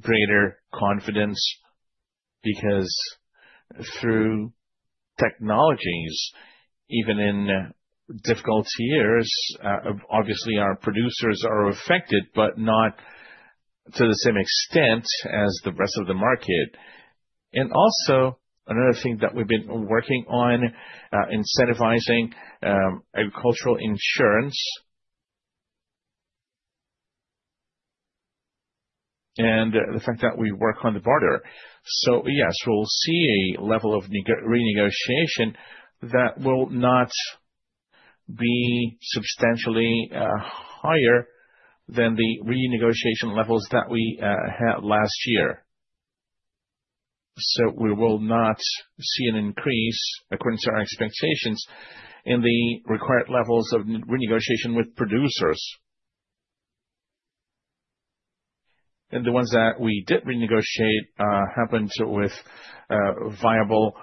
greater confidence because through technologies, even in difficult years, obviously, our producers are affected, but not to the same extent as the rest of the market. Another thing that we've been working on is incentivizing agricultural insurance and the fact that we work on the border. Yes, we'll see a level of renegotiation that will not be substantially higher than the renegotiation levels that we had last year. We will not see an increase, according to our expectations, in the required levels of renegotiation with producers. The ones that we did renegotiate happened with viable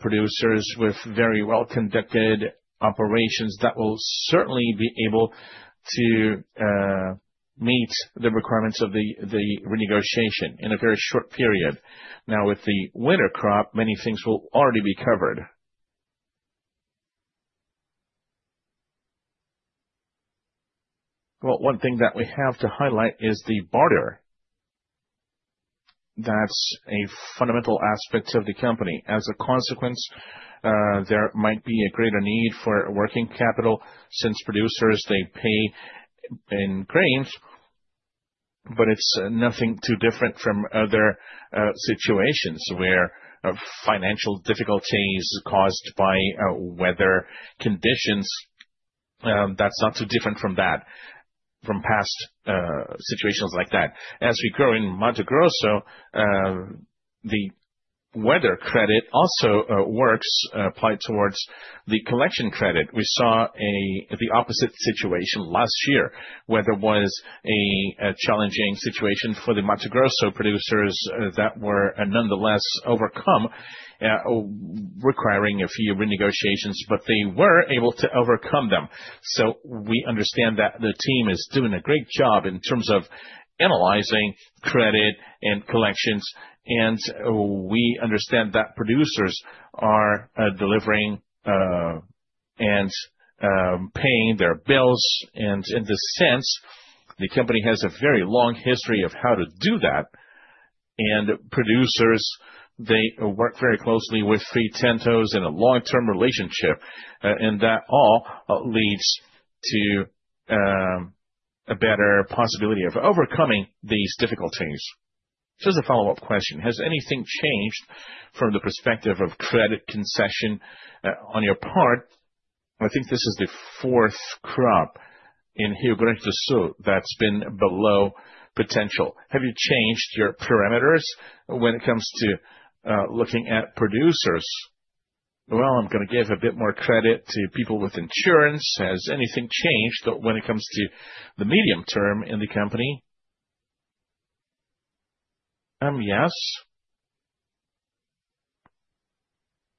producers with very well-conducted operations that will certainly be able to meet the requirements of the renegotiation in a very short period. Now, with the winter crop, many things will already be covered. One thing that we have to highlight is the border. That's a fundamental aspect of the company. As a consequence, there might be a greater need for working capital since producers, they pay in grains, but it's nothing too different from other situations where financial difficulties caused by weather conditions. That's not too different from that, from past situations like that. As we grow in Mato Grosso, the weather credit also works applied towards the collection credit. We saw the opposite situation last year. Weather was a challenging situation for the Mato Grosso producers that were nonetheless overcome, requiring a few renegotiations, but they were able to overcome them. We understand that the team is doing a great job in terms of analyzing credit and collections, and we understand that producers are delivering and paying their bills. In this sense, the company has a very long history of how to do that. Producers, they work very closely with Três Tentos in a long-term relationship, and that all leads to a better possibility of overcoming these difficulties. Just a follow-up question. Has anything changed from the perspective of credit concession on your part? I think this is the fourth crop in Rio Grande do Sul that has been below potential. Have you changed your parameters when it comes to looking at producers? I am going to give a bit more credit to people with insurance. Has anything changed when it comes to the medium term in the company? Yes.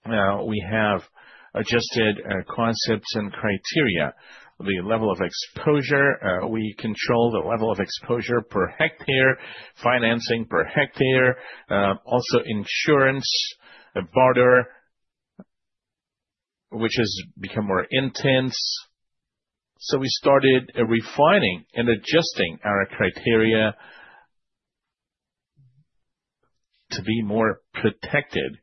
Now, we have adjusted concepts and criteria. The level of exposure, we control the level of exposure per hectare, financing per hectare, also insurance, border, which has become more intense. We started refining and adjusting our criteria to be more protected.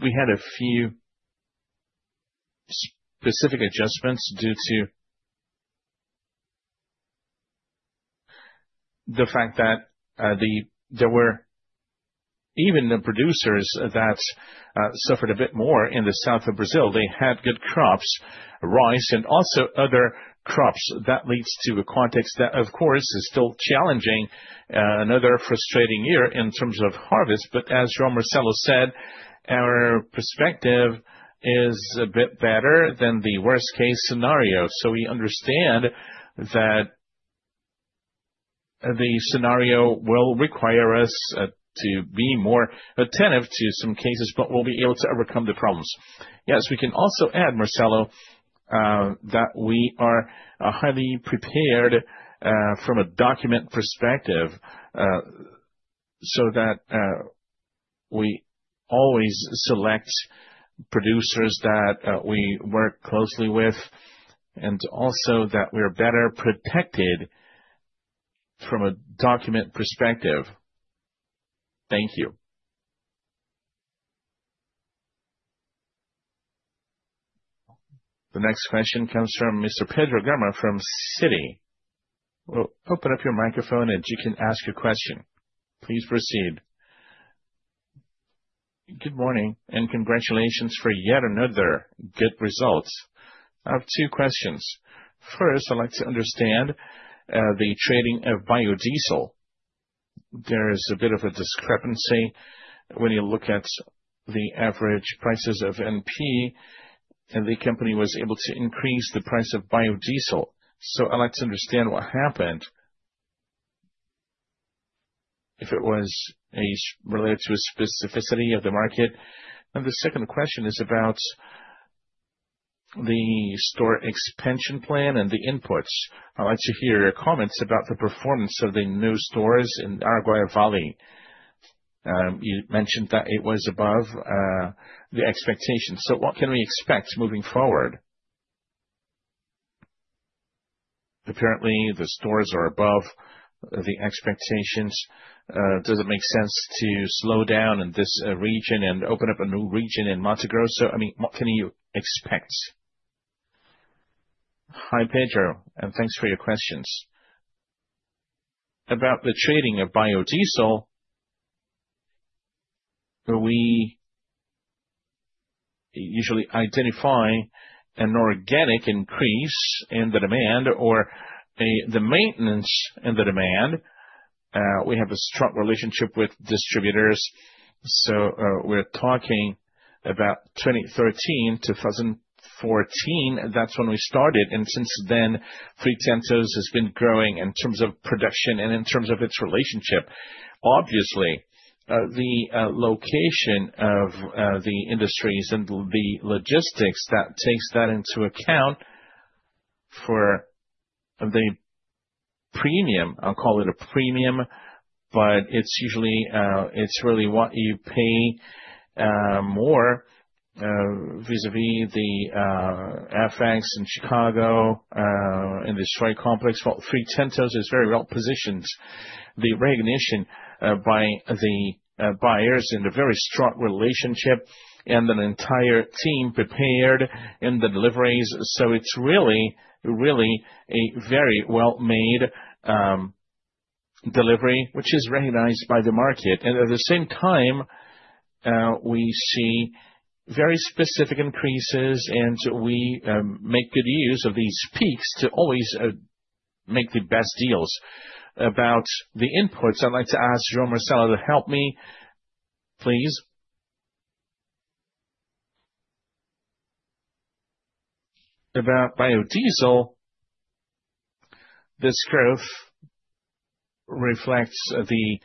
We had a few specific adjustments due to the fact that there were even producers that suffered a bit more in the south of Brazil. They had good crops, rice, and also other crops. That leads to a context that, of course, is still challenging, another frustrating year in terms of harvest. As João Marcelo said, our perspective is a bit better than the worst-case scenario. We understand that the scenario will require us to be more attentive to some cases, but we'll be able to overcome the problems. Yes, we can also add, Marcelo, that we are highly prepared from a document perspective so that we always select producers that we work closely with and also that we're better protected from a document perspective. Thank you. The next question comes from Mr. Pedro Gama from Citi. Open up your microphone and you can ask your question. Please proceed. Good morning and congratulations for yet another good result. I have two questions. First, I'd like to understand the trading of biodiesel. There is a bit of a discrepancy when you look at the average prices of MT, and the company was able to increase the price of biodiesel. I would like to understand what happened if it was related to a specificity of the market. The second question is about the store expansion plan and the inputs. I would like to hear your comments about the performance of the new stores in Araguaia Valley. You mentioned that it was above the expectations. What can we expect moving forward? Apparently, the stores are above the expectations. Does it make sense to slow down in this region and open up a new region in Mato Grosso? I mean, what can you expect? Hi, Pedro. And thanks for your questions. About the trading of biodiesel, we usually identify an organic increase in the demand or the maintenance in the demand. We have a strong relationship with distributors. We're talking about 2013 to 2014. That's when we started. Since then, Três Tentos has been growing in terms of production and in terms of its relationship. Obviously, the location of the industries and the logistics, that takes that into account for the premium. I will call it a premium, but it's usually really what you pay more vis-à-vis the FX in Chicago in the strike complex. Três Tentos is very well positioned. The recognition by the buyers and a very strong relationship and an entire team prepared in the deliveries. It is really, really a very well-made delivery, which is recognized by the market. At the same time, we see very specific increases, and we make good use of these peaks to always make the best deals. About the inputs, I would like to ask João Marcelo to help me, please. About biodiesel, this growth reflects the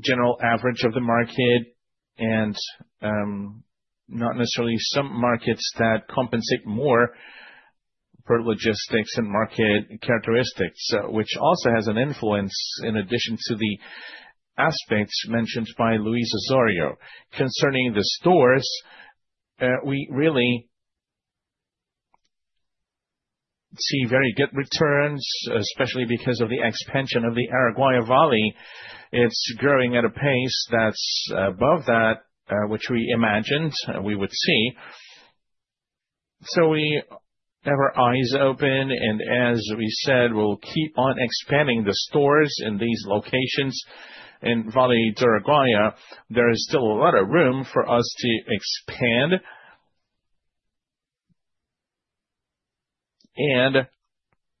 general average of the market and not necessarily some markets that compensate more for logistics and market characteristics, which also has an influence in addition to the aspects mentioned by Luis Osório. Concerning the stores, we really see very good returns, especially because of the expansion of the Araguaia Valley. It is growing at a pace that is above that, which we imagined we would see. We have our eyes open, and as we said, we'll keep on expanding the stores in these locations in Araguaia Valley. There is still a lot of room for us to expand.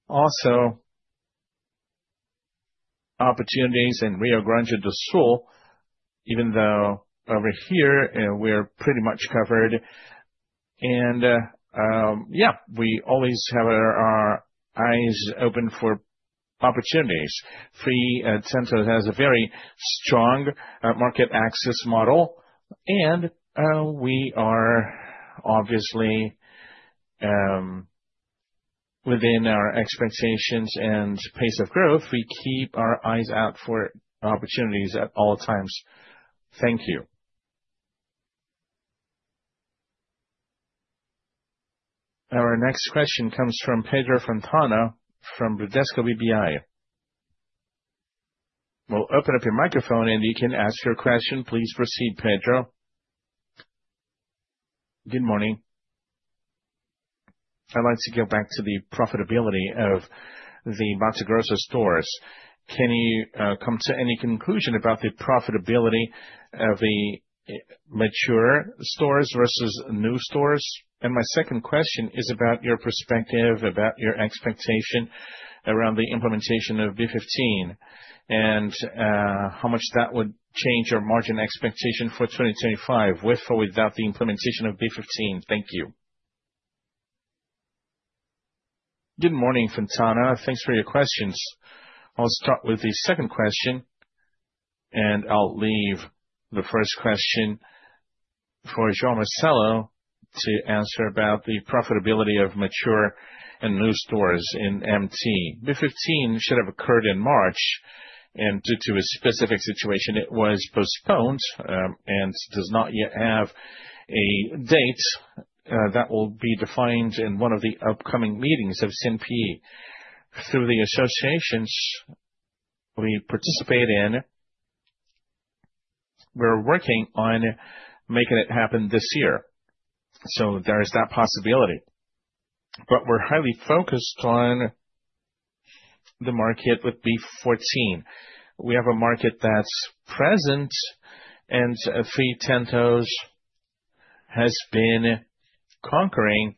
Also, opportunities in Rio Grande do Sul, even though over here, we're pretty much covered. Yeah, we always have our eyes open for opportunities. Três Tentos has a very strong market access model, and we are obviously within our expectations and pace of growth. We keep our eyes out for opportunities at all times. Thank you. Our next question comes from Pedro Fontana from Bradesco BBI. We'll open up your microphone, and you can ask your question. Please proceed, Pedro. Good morning. I'd like to go back to the profitability of the Mato Grosso stores. Can you come to any conclusion about the profitability of the mature stores versus new stores? My second question is about your perspective about your expectation around the implementation of B15 and how much that would change your margin expectation for 2025 with or without the implementation of B15. Thank you. Good morning, Fontana. Thanks for your questions. I'll start with the second question, and I'll leave the first question for João Marcelo to answer about the profitability of mature and new stores in MT. B15 should have occurred in March, and due to a specific situation, it was postponed and does not yet have a date that will be defined in one of the upcoming meetings of ANP through the associations we participate in. We're working on making it happen this year. There is that possibility. We're highly focused on the market with B14. We have a market that's present, and Três Tentos has been conquering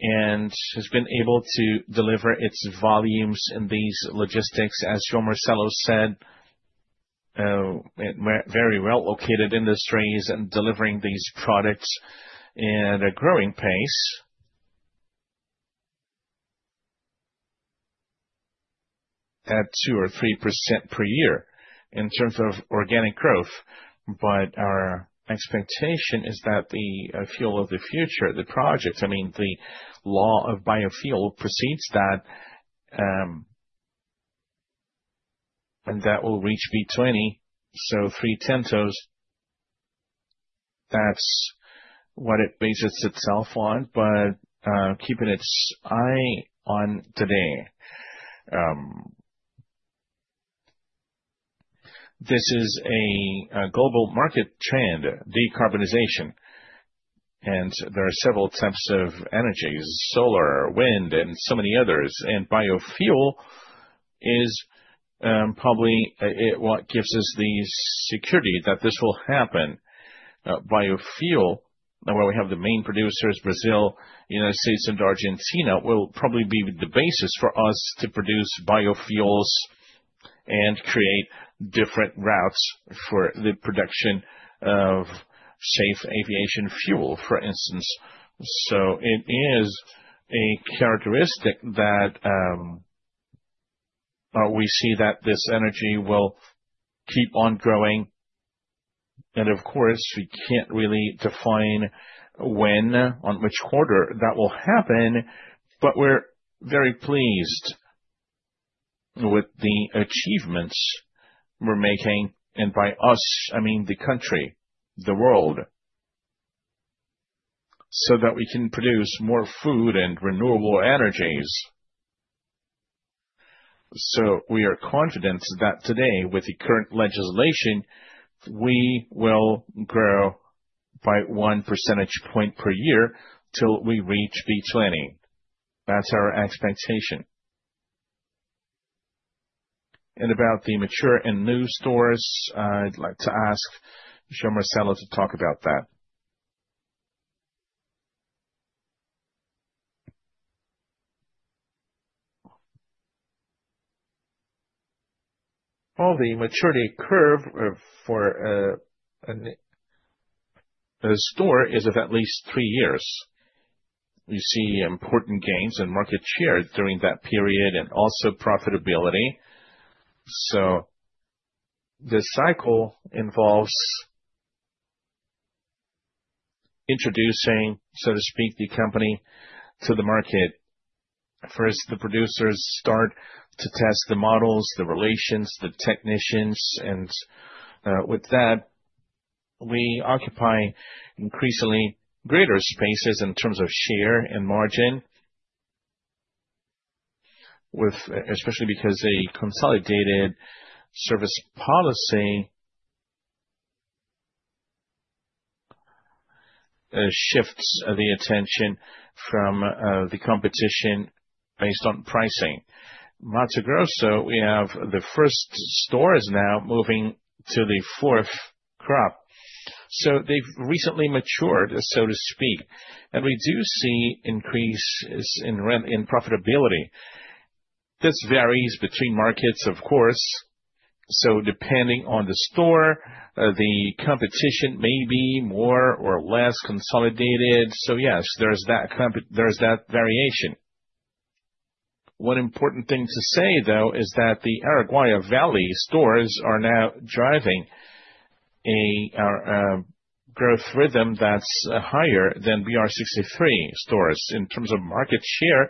and has been able to deliver its volumes in these logistics, as João Marcelo said, very well-located industries and delivering these products at a growing pace at 2%-3% per year in terms of organic growth. Our expectation is that the fuel of the future, the projects, I mean, the law of biofuel precedes that, and that will reach B20. Três Tentos, that's what it bases itself on, but keeping its eye on today. This is a global market trend, decarbonization, and there are several types of energies: solar, wind, and so many others. Biofuel is probably what gives us the security that this will happen. Biofuel, where we have the main producers, Brazil, the United States, and Argentina, will probably be the basis for us to produce biofuels and create different routes for the production of safe aviation fuel, for instance. It is a characteristic that we see that this energy will keep on growing. Of course, we cannot really define when, on which quarter that will happen, but we are very pleased with the achievements we are making. By us, I mean the country, the world, so that we can produce more food and renewable energies. We are confident that today, with the current legislation, we will grow by one percentage point per year till we reach B20. That is our expectation. About the mature and new stores, I would like to ask João Marcelo to talk about that. The maturity curve for a store is of at least three years. We see important gains in market share during that period and also profitability. The cycle involves introducing, so to speak, the company to the market. First, the producers start to test the models, the relations, the technicians. With that, we occupy increasingly greater spaces in terms of share and margin, especially because the consolidated service policy shifts the attention from the competition based on pricing. In Mato Grosso, we have the first stores now moving to the fourth crop. They have recently matured, so to speak, and we do see increases in profitability. This varies between markets, of course. Depending on the store, the competition may be more or less consolidated. Yes, there is that variation. One important thing to say, though, is that the Araguaia Valley stores are now driving a growth rhythm that is higher than BR63 stores in terms of market share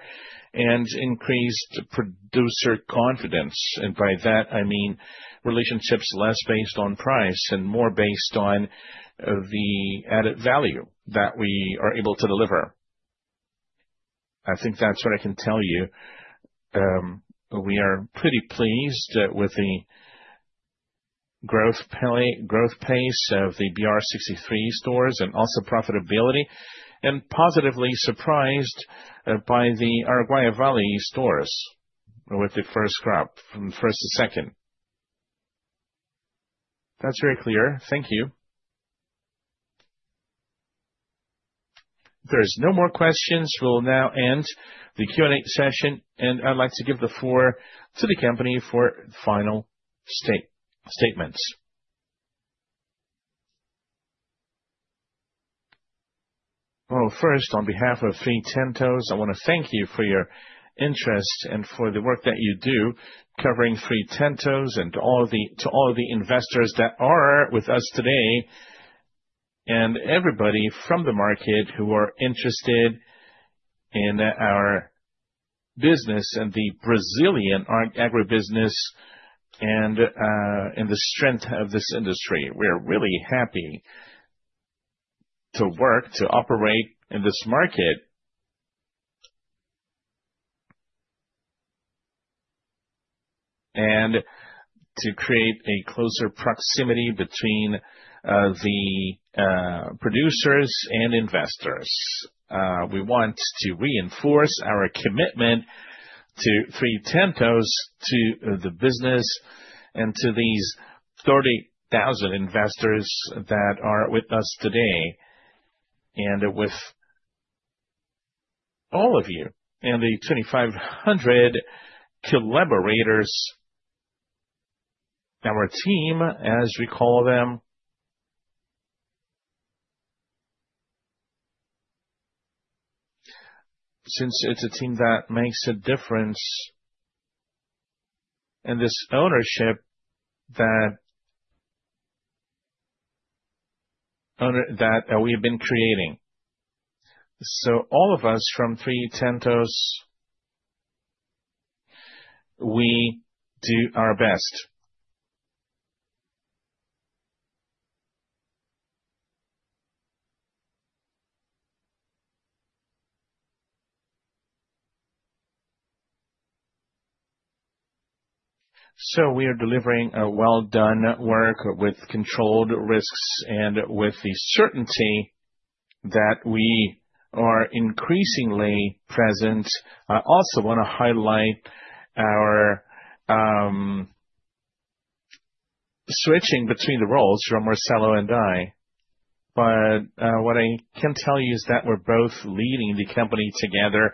and increased producer confidence. By that, I mean relationships less based on price and more based on the added value that we are able to deliver. I think that's what I can tell you. We are pretty pleased with the growth pace of the BR63 stores and also profitability and positively surprised by the Araguaia Valley stores with the first crop, from first to second. That's very clear. Thank you. There are no more questions. We will now end the Q&A session, and I would like to give the floor to the company for final statements. First, on behalf of Três Tentos, I want to thank you for your interest and for the work that you do covering Três Tentos and to all of the investors that are with us today and everybody from the market who are interested in our business and the Brazilian agribusiness and in the strength of this industry. We're really happy to work, to operate in this market, and to create a closer proximity between the producers and investors. We want to reinforce our commitment to Três Tentos, to the business, and to these 30,000 investors that are with us today and with all of you and the 2,500 collaborators, our team, as we call them, since it's a team that makes a difference in this ownership that we have been creating. All of us from Três Tentos, we do our best. We are delivering a well-done work with controlled risks and with the certainty that we are increasingly present. I also want to highlight our switching between the roles, João Marcelo and I. What I can tell you is that we're both leading the company together.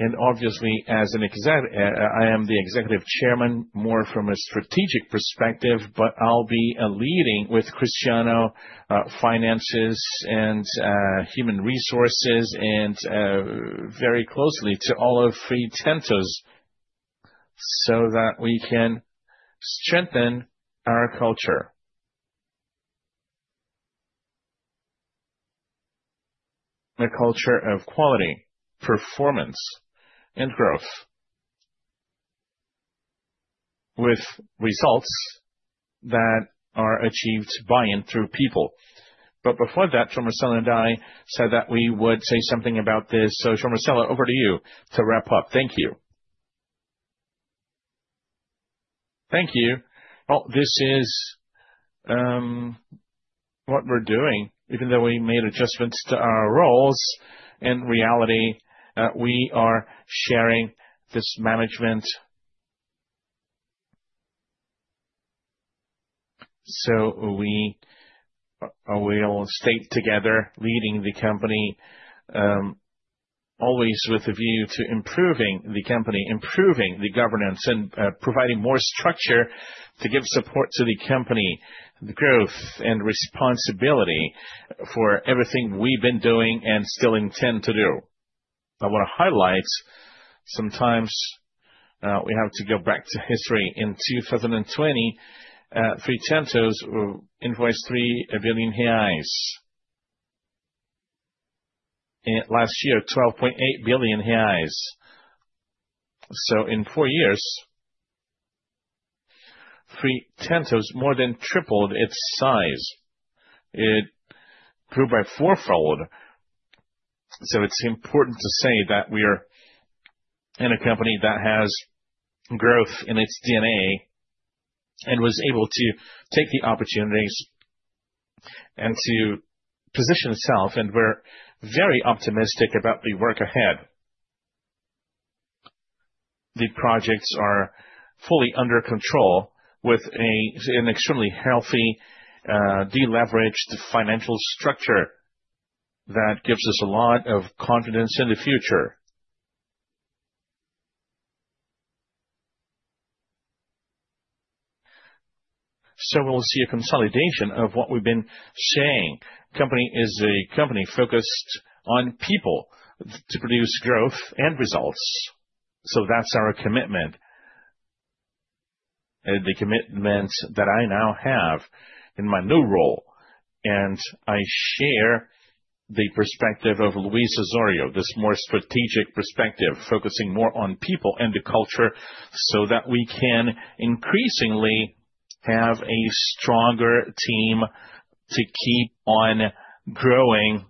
Obviously, as an Executive Chairman, more from a strategic perspective, I'll be leading with Cristiano, finances and human resources, and very closely to all of Três Tentos so that we can strengthen our culture, a culture of quality, performance, and growth with results that are achieved by and through people. Before that, João Marcelo and I said that we would say something about this. João Marcelo, over to you to wrap up. Thank you. This is what we're doing. Even though we made adjustments to our roles, in reality, we are sharing this management. We will stay together, leading the company, always with a view to improving the company, improving the governance, and providing more structure to give support to the company, the growth, and responsibility for everything we've been doing and still intend to do. I want to highlight sometimes we have to go back to history. In 2020, Três Tentos invoiced 3 billion reais. Last year, 12.8 billion reais. In four years, Três Tentos more than tripled its size. It grew by fourfold. It is important to say that we are in a company that has growth in its DNA and was able to take the opportunities and to position itself. We are very optimistic about the work ahead. The projects are fully under control with an extremely healthy, deleveraged financial structure that gives us a lot of confidence in the future. We will see a consolidation of what we have been saying. The company is a company focused on people to produce growth and results. That is our commitment and the commitment that I now have in my new role. I share the perspective of Luis Osório, this more strategic perspective, focusing more on people and the culture so that we can increasingly have a stronger team to keep on growing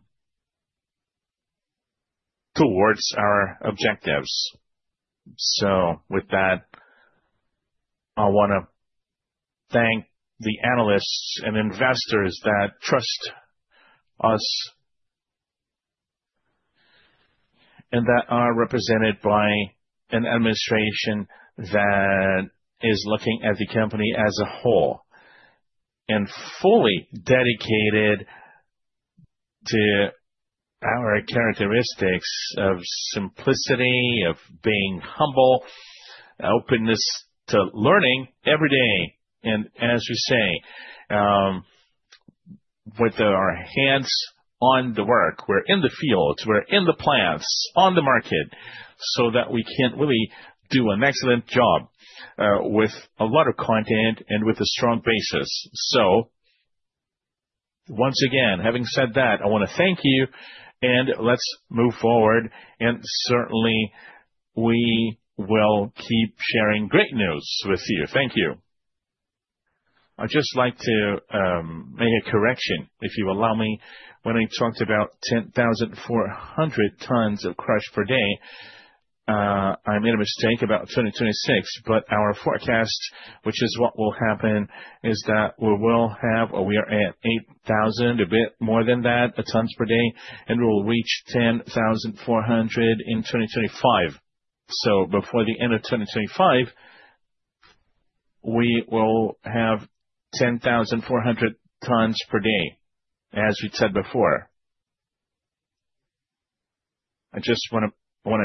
towards our objectives. With that, I want to thank the analysts and investors that trust us and that are represented by an administration that is looking at the company as a whole and fully dedicated to our characteristics of simplicity, of being humble, openness to learning every day. As you say, with our hands on the work, we're in the fields, we're in the plants, on the market, so that we can really do an excellent job with a lot of content and with a strong basis. Once again, having said that, I want to thank you, and let's move forward. Certainly, we will keep sharing great news with you. Thank you. I'd just like to make a correction, if you allow me. When I talked about 10,400 tons of crush per day, I made a mistake about 2026. Our forecast, which is what will happen, is that we will have, or we are at 8,000, a bit more than that, tons per day, and we'll reach 10,400 tons in 2025. Before the end of 2025, we will have 10,400 tons per day, as we said before. I just wanted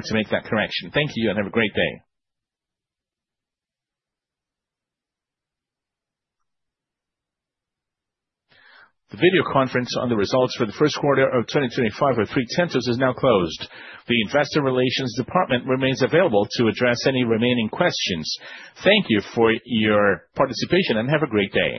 to make that correction. Thank you and have a great day. The video conference on the results for the first quarter of 2025 for Três Tentos is now closed. The investor relations department remains available to address any remaining questions. Thank you for your participation and have a great day.